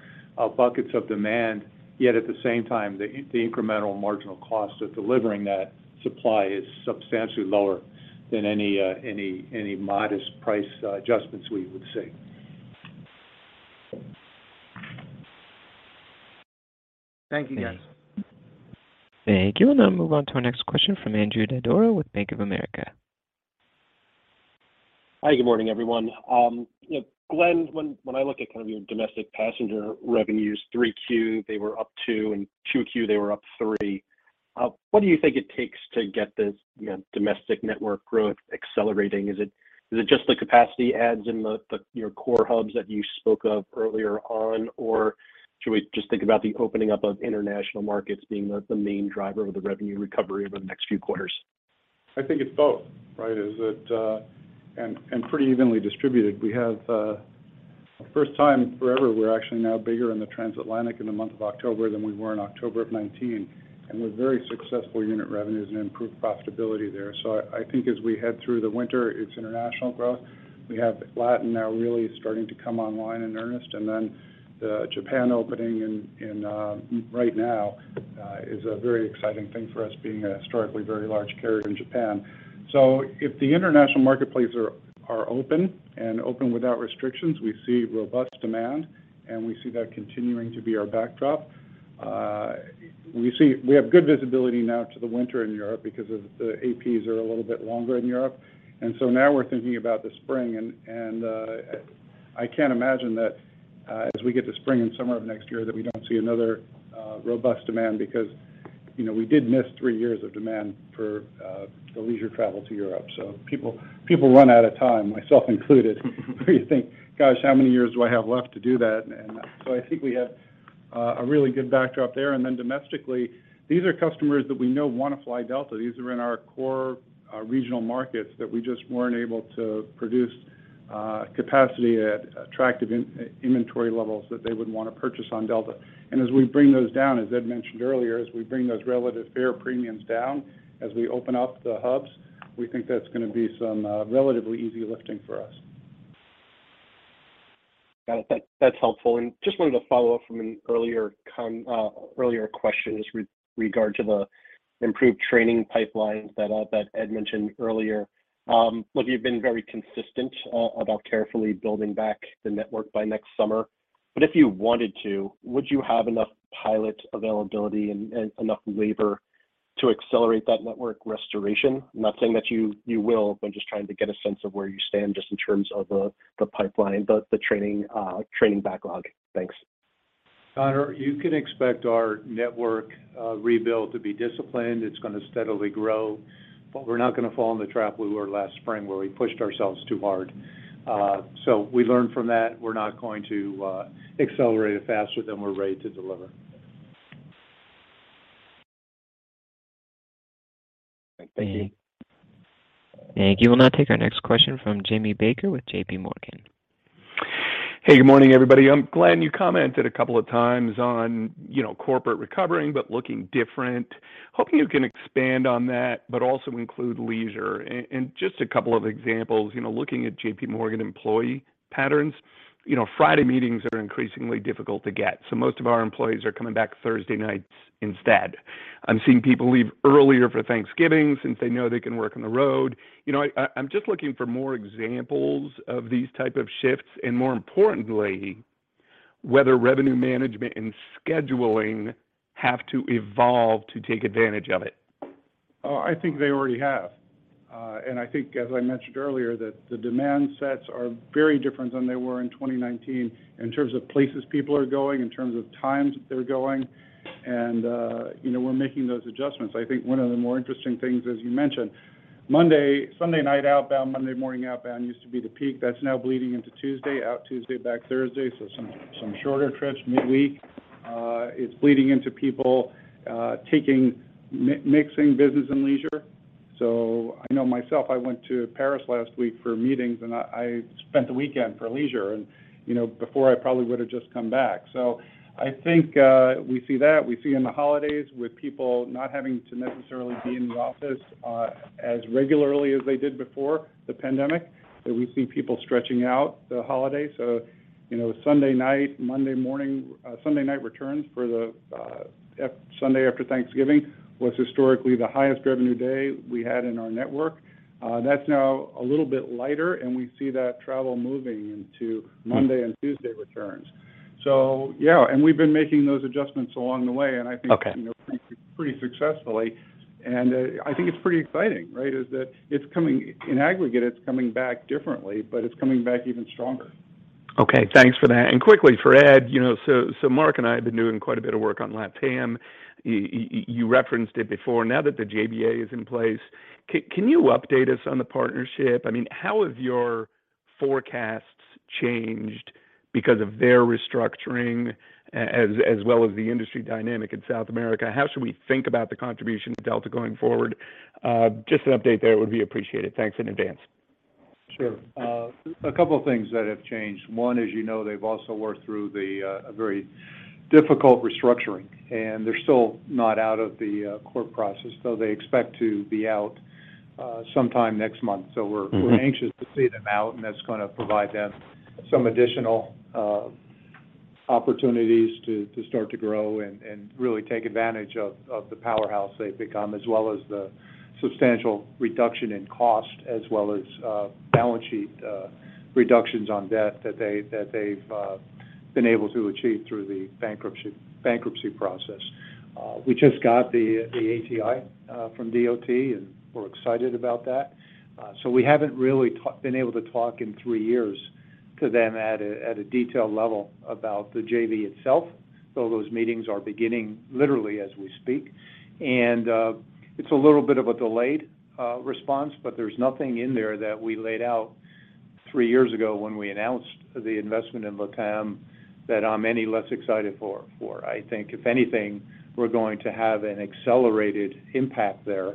buckets of demand. Yet at the same time, the incremental marginal cost of delivering that supply is substantially lower than any modest price adjustments we would see. Thank you, guys. Thank you. We'll now move on to our next question from Andrew Didora with Bank of America. Hi, good morning, everyone. You know, Glen, when I look at kind of your domestic passenger revenues, 3Q, they were up 2%, and 2Q, they were up 3%. What do you think it takes to get this, you know, domestic network growth accelerating? Is it just the capacity adds in your core hubs that you spoke of earlier on, or should we just think about the opening up of international markets being the main driver of the revenue recovery over the next few quarters? I think it's both, right? And pretty evenly distributed. We have, for the first time forever, we're actually now bigger in the transatlantic in the month of October than we were in October of 2019, and with very successful unit revenues and improved profitability there. I think as we head through the winter, it's international growth. We have LATAM now really starting to come online in earnest, and then the Japan opening right now is a very exciting thing for us, being a historically very large carrier in Japan. If the international marketplace is open, and open without restrictions, we see robust demand, and we see that continuing to be our backdrop. We have good visibility now to the winter in Europe because the APs are a little bit longer in Europe. Now we're thinking about the spring, and I can't imagine that. As we get to spring and summer of next year that we don't see another robust demand because, you know, we did miss three years of demand for the leisure travel to Europe. People run out of time, myself included, where you think, "Gosh, how many years do I have left to do that?" I think we have a really good backdrop there. Domestically, these are customers that we know wanna fly Delta. These are in our core regional markets that we just weren't able to produce capacity at attractive inventory levels that they would wanna purchase on Delta. As we bring those down, as Ed mentioned earlier, as we bring those relative fare premiums down, as we open up the hubs, we think that's gonna be some relatively easy lifting for us. Got it. That's helpful. Just wanted to follow up from an earlier question just with regard to the improved training pipelines that Ed mentioned earlier. Look, you've been very consistent about carefully building back the network by next summer. But if you wanted to, would you have enough pilot availability and enough labor to accelerate that network restoration? Not saying that you will, but just trying to get a sense of where you stand just in terms of the pipeline, the training backlog. Thanks. Conor, you can expect our network rebuild to be disciplined. It's gonna steadily grow, but we're not gonna fall in the trap we were last spring, where we pushed ourselves too hard. We learned from that. We're not going to accelerate it faster than we're ready to deliver. Thank you. Thank you. We'll now take our next question from James Baker with JP Morgan. Hey, good morning, everybody. Glen, you commented a couple of times on, you know, corporate recovering, but looking different. Hoping you can expand on that, but also include leisure. And just a couple of examples, you know, looking at JPMorgan employee patterns, you know, Friday meetings are increasingly difficult to get, so most of our employees are coming back Thursday nights instead. I'm seeing people leave earlier for Thanksgiving since they know they can work on the road. You know, I'm just looking for more examples of these type of shifts, and more importantly, whether revenue management and scheduling have to evolve to take advantage of it. I think they already have. I think, as I mentioned earlier, that the demand sets are very different than they were in 2019 in terms of places people are going, in terms of times that they're going, and, you know, we're making those adjustments. I think one of the more interesting things, as you mentioned, Monday, Sunday night outbound, Monday morning outbound used to be the peak. That's now bleeding into Tuesday, out Tuesday, back Thursday. Some shorter trips midweek. It's bleeding into people taking mixing business and leisure. I know myself, I went to Paris last week for meetings, and I spent the weekend for leisure and, you know, before I probably would've just come back. I think we see that. We see in the holidays with people not having to necessarily be in the office, as regularly as they did before the pandemic, that we see people stretching out the holiday. You know, Sunday night, Monday morning, Sunday night returns for the Sunday after Thanksgiving was historically the highest revenue day we had in our network. That's now a little bit lighter, and we see that travel moving into Monday and Tuesday returns. Yeah, and we've been making those adjustments along the way, and I think. Okay You know, pretty successfully. I think it's pretty exciting, right? In aggregate, it's coming back differently, but it's coming back even stronger. Okay. Thanks for that. Quickly for Ed, you know, so Mark and I have been doing quite a bit of work on LATAM. You referenced it before. Now that the JBA is in place, can you update us on the partnership? I mean, how have your forecasts changed because of their restructuring as well as the industry dynamic in South America? How should we think about the contribution to Delta going forward? Just an update there would be appreciated. Thanks in advance. Sure. A couple things that have changed. One, as you know, they've also worked through a very difficult restructuring, and they're still not out of the court process, though they expect to be out sometime next month. We're anxious to see them out, and that's gonna provide them some additional opportunities to start to grow and really take advantage of the powerhouse they've become, as well as the substantial reduction in cost, as well as balance sheet reductions on debt that they've been able to achieve through the bankruptcy process. We just got the ATI from DOT, and we're excited about that. We haven't really been able to talk in three years to them at a detailed level about the JV itself, though those meetings are beginning literally as we speak. It's a little bit of a delayed response, but there's nothing in there that we laid out three years ago when we announced the investment in LATAM that I'm any less excited for. I think if anything, we're going to have an accelerated impact there.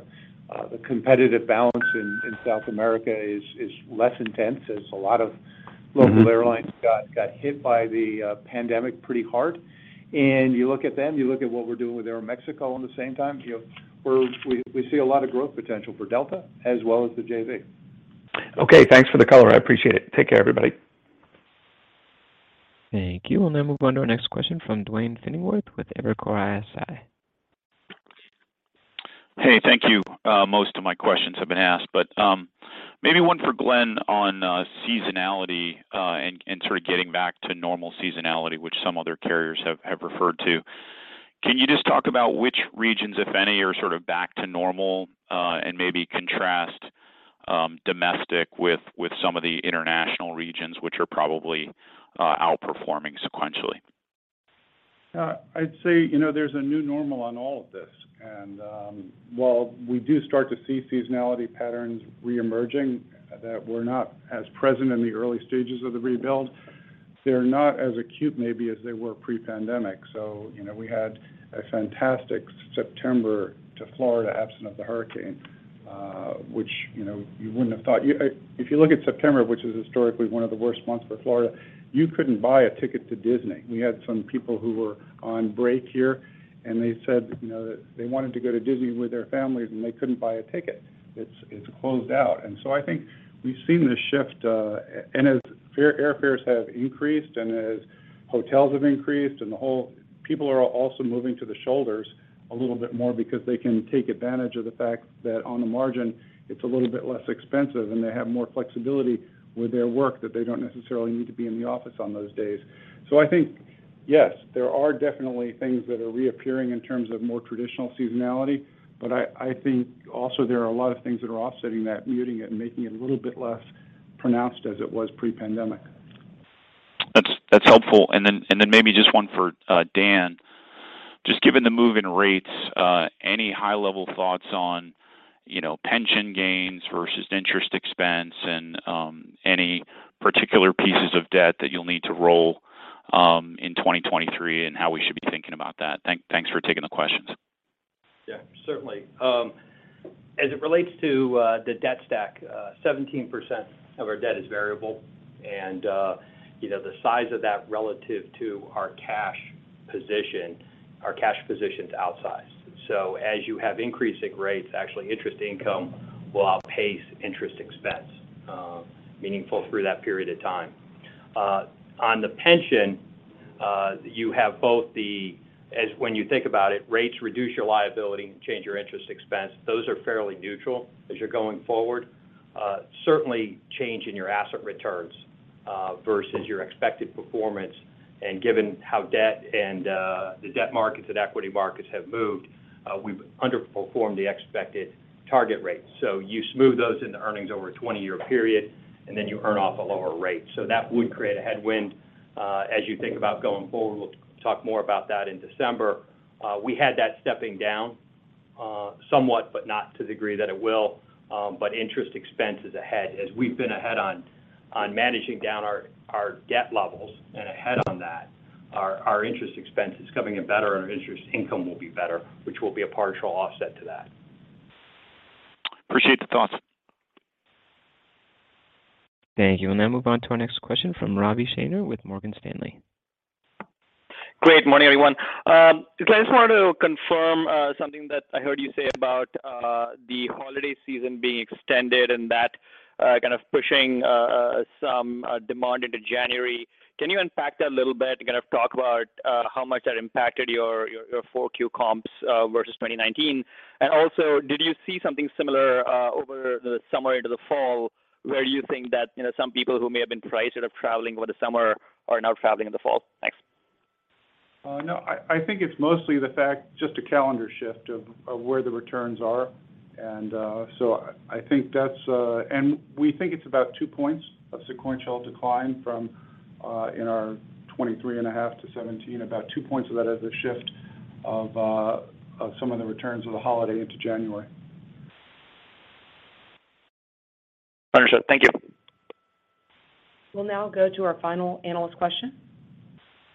The competitive balance in South America is less intense, as a lot of local airlines Got hit by the pandemic pretty hard. You look at them, you look at what we're doing with Aeroméxico at the same time, you know, we see a lot of growth potential for Delta as well as the JV. Okay. Thanks for the color. I appreciate it. Take care, everybody. Thank you. We'll now move on to our next question from Duane Pfennigwerth with Evercore ISI. Hey, thank you. Most of my questions have been asked, but maybe one for Glen on seasonality and sort of getting back to normal seasonality, which some other carriers have referred to. Can you just talk about which regions, if any, are sort of back to normal, and maybe contrast domestic with some of the international regions which are probably outperforming sequentially? I'd say, you know, there's a new normal on all of this. While we do start to see seasonality patterns reemerging that were not as present in the early stages of the rebuild, they're not as acute maybe as they were pre-pandemic. You know, we had a fantastic September to Florida, absent of the hurricane, which, you know, you wouldn't have thought. If you look at September, which is historically one of the worst months for Florida, you couldn't buy a ticket to Disney. We had some people who were on break here, and they said, you know, they wanted to go to Disney with their families, and they couldn't buy a ticket. It's closed out. I think we've seen this shift, and as air fares have increased and as hotels have increased. People are also moving to the shoulders a little bit more because they can take advantage of the fact that on the margin, it's a little bit less expensive, and they have more flexibility with their work that they don't necessarily need to be in the office on those days. I think, yes, there are definitely things that are reappearing in terms of more traditional seasonality, but I think also there are a lot of things that are offsetting that, muting it, and making it a little bit less pronounced as it was pre-pandemic. That's helpful. Maybe just one for Dan. Given the move in rates, any high-level thoughts on pension gains versus interest expense and any particular pieces of debt that you'll need to roll in 2023 and how we should be thinking about that? Thanks for taking the questions. Yeah, certainly. As it relates to the debt stack, 17% of our debt is variable. You know, the size of that relative to our cash position, our cash position is outsized. As you have increasing rates, actually interest income will outpace interest expense meaningful through that period of time. On the pension, as when you think about it, rates reduce your liability and change your interest expense. Those are fairly neutral as you're going forward. Certainly change in your asset returns versus your expected performance. Given how debt and the debt markets and equity markets have moved, we've underperformed the expected target rates. You smooth those into earnings over a 20-year period, and then you earn off a lower rate. That would create a headwind as you think about going forward. We'll talk more about that in December. We had that stepping down somewhat, but not to the degree that it will. Interest expense is ahead. As we've been ahead on managing down our debt levels and ahead on that, our interest expense is coming in better and our interest income will be better, which will be a partial offset to that. Appreciate the thoughts. Thank you. We'll now move on to our next question from Ravi Shanker with Morgan Stanley. Good morning, everyone. I just wanted to confirm something that I heard you say about the holiday season being extended and that kind of pushing some demand into January. Can you unpack that a little bit to kind of talk about how much that impacted your 4Q comps versus 2019? Also, did you see something similar over the summer into the fall, where you think that you know some people who may have been priced out of traveling over the summer are now traveling in the fall? Thanks. No. I think it's mostly just the fact of a calendar shift of where the returns are. We think it's about 2 points of sequential decline from our 23.5 to 17, about 2 points of that is a shift of some of the returns of the holiday into January. Understood. Thank you. We'll now go to our final analyst question.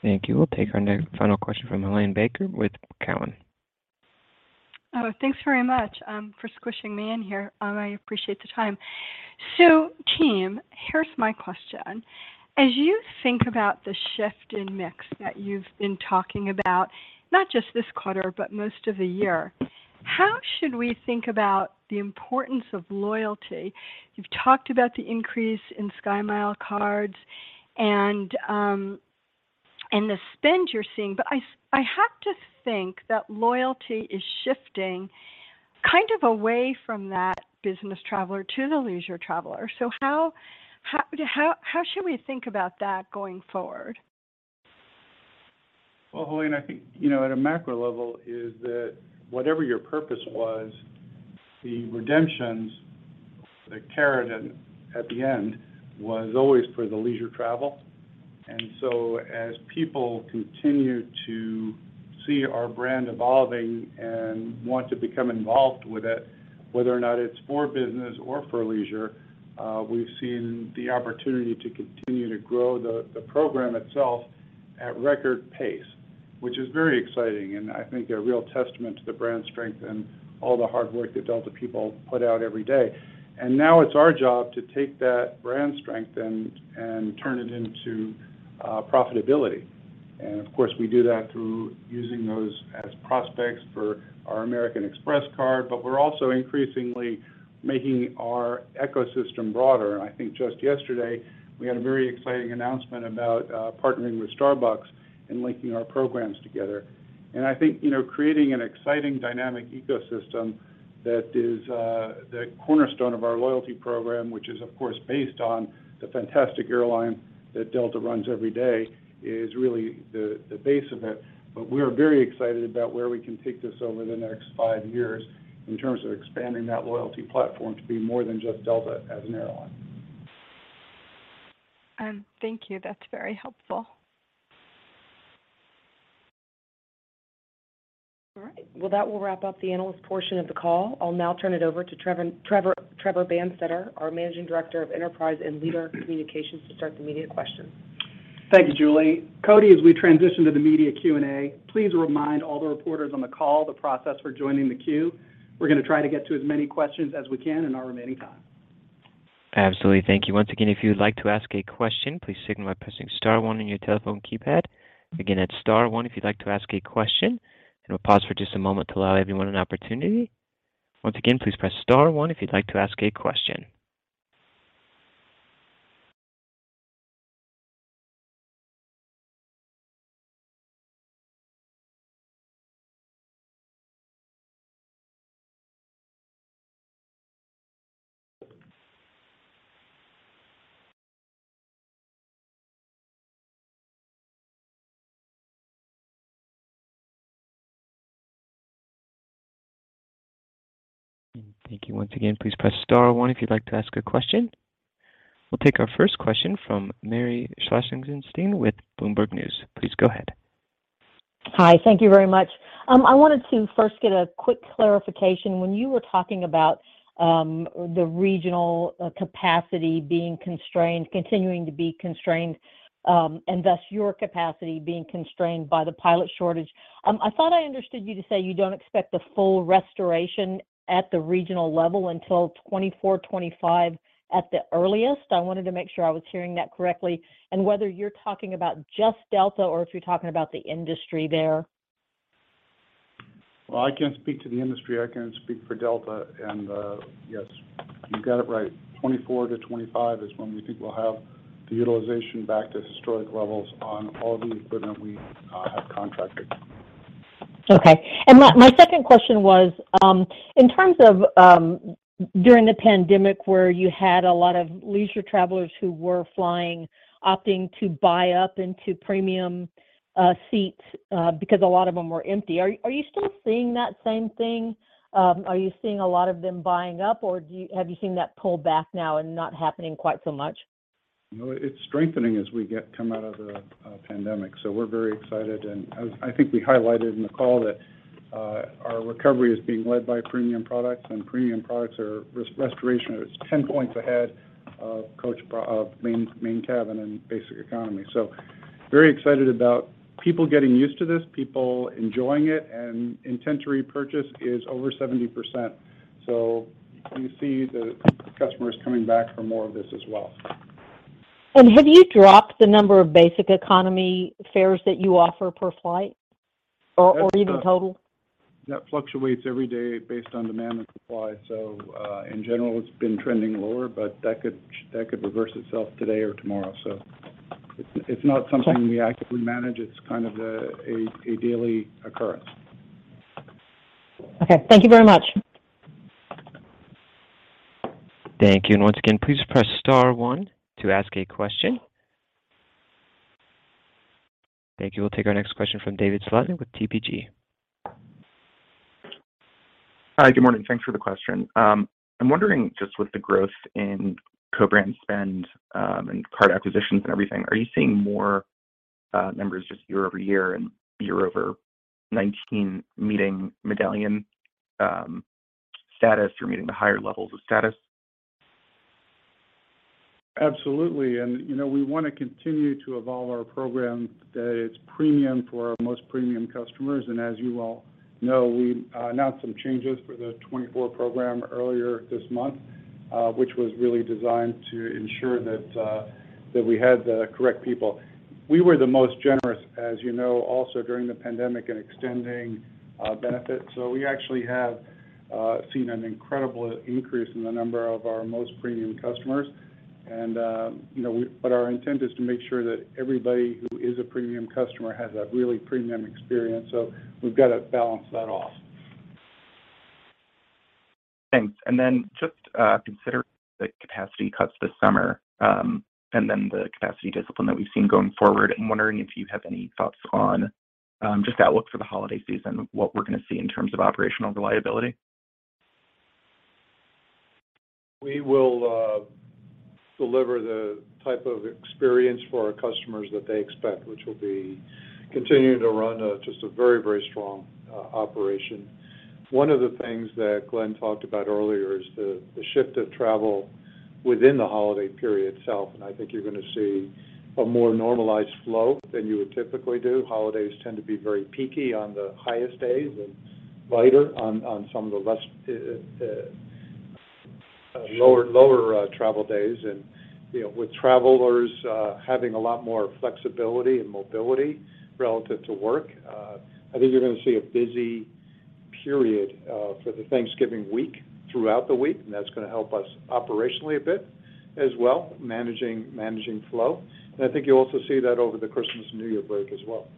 Thank you. We'll take our next final question from Helane Becker with Cowen. Oh, thanks very much for squishing me in here. I appreciate the time. Team, here's my question. As you think about the shift in mix that you've been talking about, not just this quarter, but most of the year, how should we think about the importance of loyalty? You've talked about the increase in SkyMiles cards and the spend you're seeing, but I have to think that loyalty is shifting kind of away from that business traveler to the leisure traveler. How should we think about that going forward? Well, Helane, I think, you know, at a macro level is that whatever your purpose was, the redemptions, the carrot at the end was always for the leisure travel. As people continue to see our brand evolving and want to become involved with it, whether or not it's for business or for leisure, we've seen the opportunity to continue to grow the program itself at record pace, which is very exciting and I think a real testament to the brand strength and all the hard work that Delta people put out every day. Now it's our job to take that brand strength and turn it into profitability. Of course, we do that through using those as prospects for our American Express card, but we're also increasingly making our ecosystem broader. I think just yesterday, we had a very exciting announcement about partnering with Starbucks and linking our programs together. I think, you know, creating an exciting dynamic ecosystem that is the cornerstone of our loyalty program, which is, of course, based on the fantastic airline that Delta runs every day, is really the base of it. We are very excited about where we can take this over the next five years in terms of expanding that loyalty program to be more than just Delta as an airline. Thank you. That's very helpful. All right. Well, that will wrap up the analyst portion of the call. I'll now turn it over to Trebor Banstetter, our Managing Director of Enterprise and Leader Communications, to start the media questions. Thanks, Julie. Cody, as we transition to the media Q&A, please remind all the reporters on the call the process for joining the queue. We're gonna try to get to as many questions as we can in our remaining time. Absolutely. Thank you. Once again, if you'd like to ask a question, please signal by pressing star one on your telephone keypad. Again, that's star one if you'd like to ask a question. We'll pause for just a moment to allow everyone an opportunity. Once again, please press star one if you'd like to ask a question. Thank you. Once again, please press star one if you'd like to ask a question. We'll take our first question from Mary Schlangenstein with Bloomberg News. Please go ahead. Hi. Thank you very much. I wanted to first get a quick clarification. When you were talking about the regional capacity being constrained, continuing to be constrained, and thus your capacity being constrained by the pilot shortage, I thought I understood you to say you don't expect the full restoration at the regional level until 2024, 2025 at the earliest. I wanted to make sure I was hearing that correctly and whether you're talking about just Delta or if you're talking about the industry there. I can't speak to the industry. I can only speak for Delta. Yes, you've got it right. 2024-2025 is when we think we'll have the utilization back to historic levels on all the equipment we have contracted. Okay. My second question was, in terms of, during the pandemic where you had a lot of leisure travelers who were flying, opting to buy up into premium seats, because a lot of them were empty, are you still seeing that same thing? Are you seeing a lot of them buying up, or have you seen that pull back now and not happening quite so much? No. It's strengthening as we come out of the pandemic. We're very excited. I think we highlighted in the call that our recovery is being led by premium products, and premium products restoration is 10 points ahead of main cabin and basic economy. Very excited about people getting used to this, people enjoying it, and intent to repurchase is over 70%. You see the customers coming back for more of this as well. Have you dropped the number of basic economy fares that you offer per flight or even total? That fluctuates every day based on demand and supply. In general, it's been trending lower, but that could reverse itself today or tomorrow. It's not something we actively manage. It's kind of a daily occurrence. Okay. Thank you very much. Thank you. Once again, please press star one to ask a question. Thank you. We'll take our next question from David Slotnick with TPG. Hi. Good morning. Thanks for the question. I'm wondering just with the growth in co-brand spend, and card acquisitions and everything, are you seeing more members just year over year and year over 2019 meeting Medallion status or meeting the higher levels of status? Absolutely. You know, we wanna continue to evolve our program that it's premium for our most premium customers. As you all know, we announced some changes for the 2024 program earlier this month, which was really designed to ensure that we had the correct people. We were the most generous, as you know, also during the pandemic in extending benefits. We actually have seen an incredible increase in the number of our most premium customers. You know, our intent is to make sure that everybody who is a premium customer has a really premium experience, so we've got to balance that off. Thanks. Then just considering the capacity cuts this summer, and then the capacity discipline that we've seen going forward, I'm wondering if you have any thoughts on just outlook for the holiday season, what we're gonna see in terms of operational reliability. We will deliver the type of experience for our customers that they expect, which will be continuing to run just a very strong operation. One of the things that Glen talked about earlier is the shift of travel within the holiday period itself, and I think you're gonna see a more normalized flow than you would typically do. Holidays tend to be very peaky on the highest days and lighter on some of the lower travel days. You know, with travelers having a lot more flexibility and mobility relative to work, I think you're gonna see a busy For the Thanksgiving week throughout the week, and that's gonna help us operationally a bit as well, managing flow. I think you'll also see that over the Christmas and New Year break as well.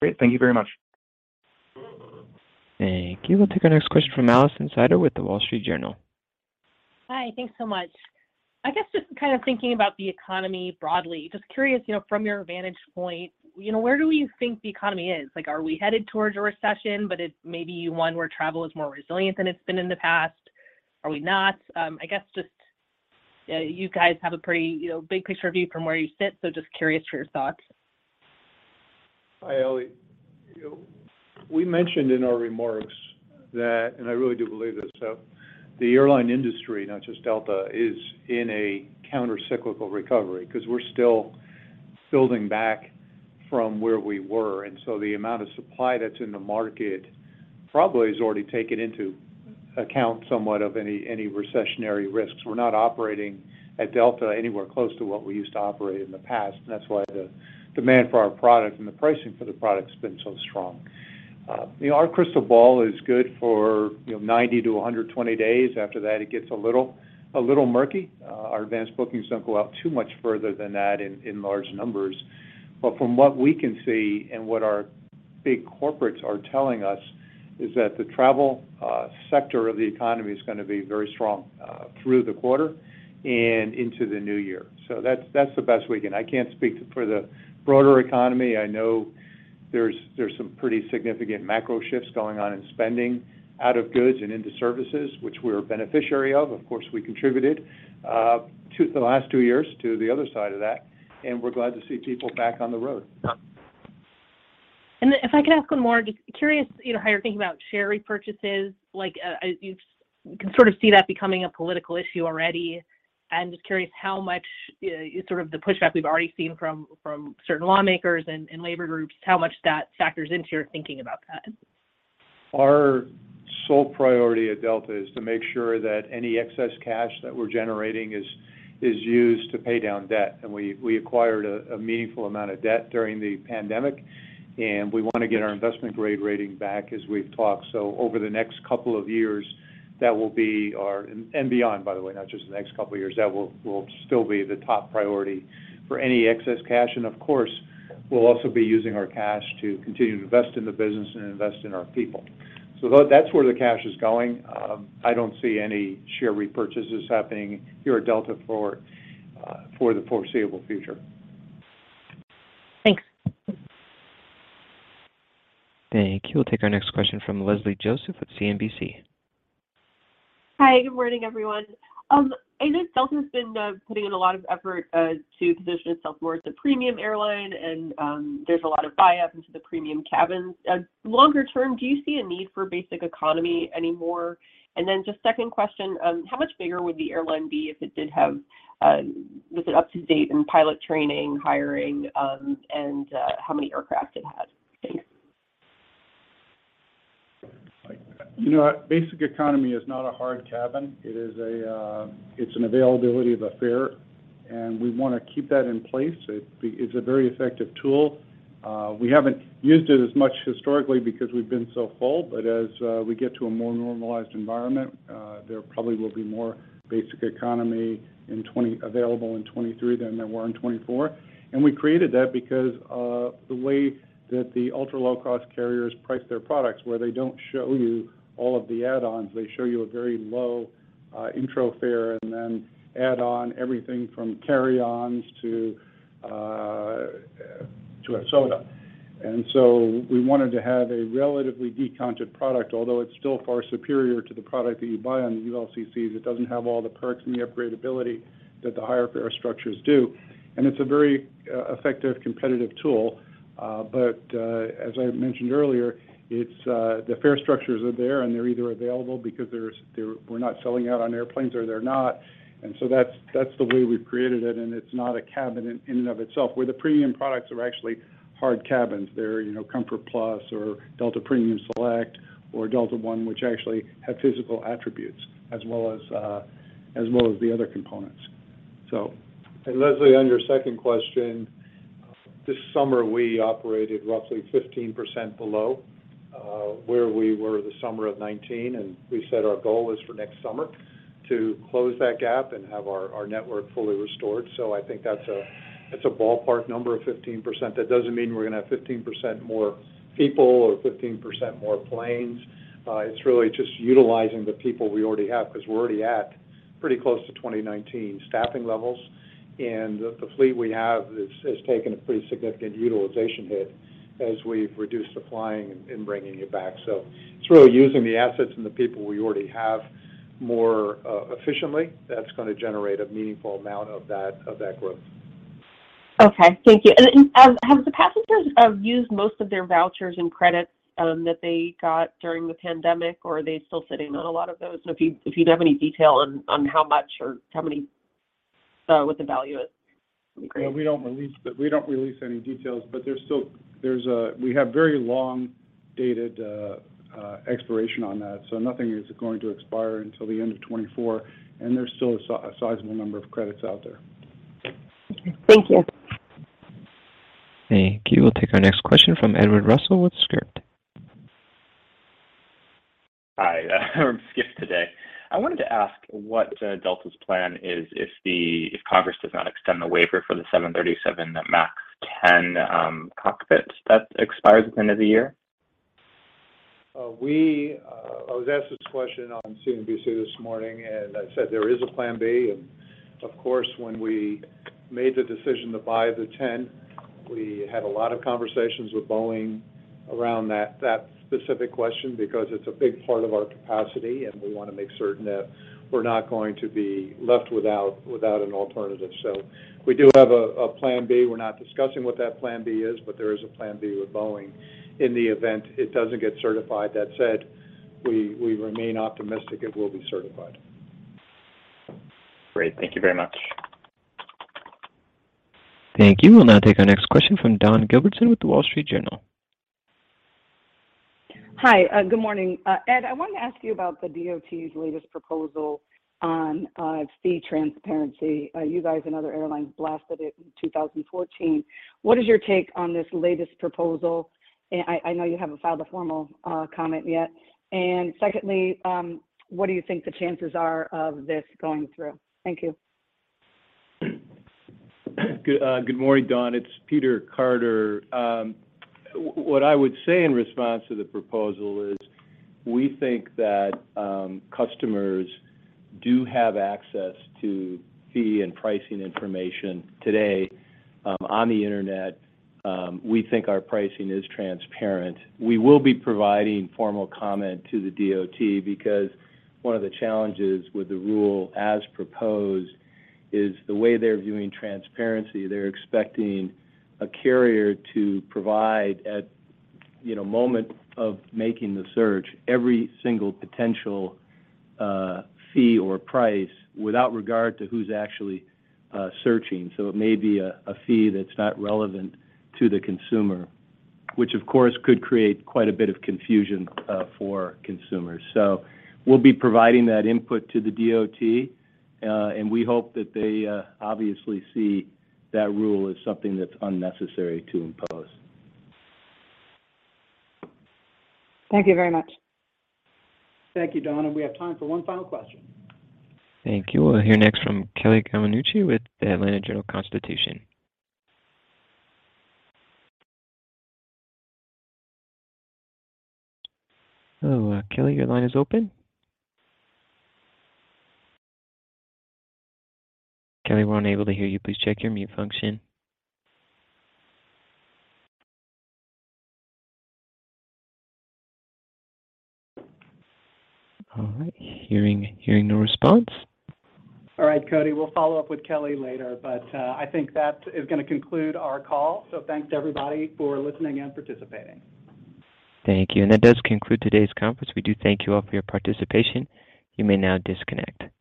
Great. Thank you very much. Thank you. We'll take our next question from Alison Sider with The Wall Street Journal. Hi. Thanks so much. I guess just kind of thinking about the economy broadly, just curious, you know, from your vantage point, you know, where do you think the economy is? Like, are we headed towards a recession, but it may be one where travel is more resilient than it's been in the past? Are we not? I guess just, you guys have a pretty, you know, big picture view from where you sit, so just curious for your thoughts. Hi, Ali. We mentioned in our remarks that, and I really do believe this, so the airline industry, not just Delta, is in a countercyclical recovery because we're still building back from where we were. The amount of supply that's in the market probably has already taken into account somewhat of any recessionary risks. We're not operating at Delta anywhere close to what we used to operate in the past, and that's why the demand for our product and the pricing for the product has been so strong. You know, our crystal ball is good for, you know, 90 to 120 days. After that, it gets a little murky. Our advanced bookings don't go out too much further than that in large numbers. From what we can see and what our big corporates are telling us is that the travel sector of the economy is gonna be very strong through the quarter and into the new year. That's the best we can. I can't speak for the broader economy. I know there's some pretty significant macro shifts going on in spending out of goods and into services, which we're a beneficiary of. Of course, we contributed to the last two years to the other side of that, and we're glad to see people back on the road. If I could ask one more, just curious, you know, how you're thinking about share repurchases. Like, you can sort of see that becoming a political issue already. I'm just curious how much, you know, sort of the pushback we've already seen from certain lawmakers and labor groups, how much that factors into your thinking about that. Our sole priority at Delta is to make sure that any excess cash that we're generating is used to pay down debt. We acquired a meaningful amount of debt during the pandemic, and we wanna get our investment grade rating back as we've talked. Over the next couple of years, that will be our priority and beyond, by the way, not just the next couple of years, that will still be the top priority for any excess cash. Of course, we'll also be using our cash to continue to invest in the business and invest in our people. That's where the cash is going. I don't see any share repurchases happening here at Delta for the foreseeable future. Thanks. Thank you. We'll take our next question from Leslie Josephs at CNBC. Hi. Good morning, everyone. I know Delta has been putting in a lot of effort to position itself more as a premium airline, and there's a lot of buy-up into the premium cabins. Longer term, do you see a need for basic economy anymore? Just second question, how much bigger would the airline be if it was up to date in pilot training, hiring, and how many aircraft it had? Thanks. You know, basic economy is not a hard cabin. It is an availability of a fare, and we wanna keep that in place. It's a very effective tool. We haven't used it as much historically because we've been so full. But as we get to a more normalized environment, there probably will be more basic economy available in 2023 than there were in 2024. We created that because the way that the ultra-low-cost carriers price their products, where they don't show you all of the add-ons. They show you a very low intro fare and then add on everything from carry-ons to a soda. We wanted to have a relatively discounted product, although it's still far superior to the product that you buy on the ULCCs. It doesn't have all the perks and the upgradability that the higher fare structures do. It's a very effective competitive tool. As I mentioned earlier, it's the fare structures are there, and they're either available because we're not selling out on airplanes, or they're not. That's the way we've created it, and it's not a cabin in and of itself, where the premium products are actually hard cabins. They're, you know, Delta Comfort+ or Delta Premium Select or Delta One, which actually have physical attributes as well as the other components. Leslie, on your second question, this summer, we operated roughly 15% below where we were the summer of 2019, and we said our goal is for next summer to close that gap and have our network fully restored. I think that's a ballpark number of 15%. That doesn't mean we're gonna have 15% more people or 15% more planes. It's really just utilizing the people we already have because we're already at pretty close to 2019 staffing levels. The fleet we have has taken a pretty significant utilization hit as we've reduced the flying and bringing it back. It's really using the assets and the people we already have more efficiently that's gonna generate a meaningful amount of that growth. Okay. Thank you. Have the passengers used most of their vouchers and credits that they got during the pandemic, or are they still sitting on a lot of those? If you have any detail on how much or how many what the value is, that'd be great. We don't release any details, but we have very long dated expiration on that, so nothing is going to expire until the end of 2024, and there's still a sizable number of credits out there. Thank you. Thank you. We'll take our next question from Edward Russell with Skift. Hi, I'm Skift today. I wanted to ask what Delta's plan is if Congress does not extend the waiver for the 737 MAX 10 cockpits. That expires at the end of the year. I was asked this question on CNBC this morning, and I said there is a plan B. Of course, when we made the decision to buy the 10, we had a lot of conversations with Boeing around that specific question because it's a big part of our capacity, and we wanna make certain that we're not going to be left without an alternative. We do have a plan B. We're not discussing what that plan B is, but there is a plan B with Boeing in the event it doesn't get certified. That said, we remain optimistic it will be certified. Great. Thank you very much. Thank you. We'll now take our next question from Dawn Gilbertson with The Wall Street Journal. Hi, good morning. Ed, I wanted to ask you about the DOT's latest proposal on fee transparency. You guys and other airlines blasted it in 2014. What is your take on this latest proposal? I know you haven't filed a formal comment yet. Secondly, what do you think the chances are of this going through? Thank you. Good morning, Dawn. It's Peter Carter. What I would say in response to the proposal is we think that customers do have access to fee and pricing information today on the Internet. We think our pricing is transparent. We will be providing formal comment to the DOT because one of the challenges with the rule as proposed is the way they're viewing transparency. They're expecting a carrier to provide at you know moment of making the search every single potential fee or price without regard to who's actually searching. So it may be a fee that's not relevant to the consumer, which of course could create quite a bit of confusion for consumers. So we'll be providing that input to the DOT and we hope that they obviously see that rule as something that's unnecessary to impose. Thank you very much. Thank you, Dawn, and we have time for one final question. Thank you. We'll hear next from Kelly Yamanouchi with The Atlanta Journal-Constitution. Oh, Kelly, your line is open. Kelly, we're unable to hear you. Please check your mute function. All right. Hearing no response. All right, Cody, we'll follow up with Kelly later, but I think that is gonna conclude our call. Thanks everybody for listening and participating. Thank you. That does conclude today's conference. We do thank you all for your participation. You may now disconnect.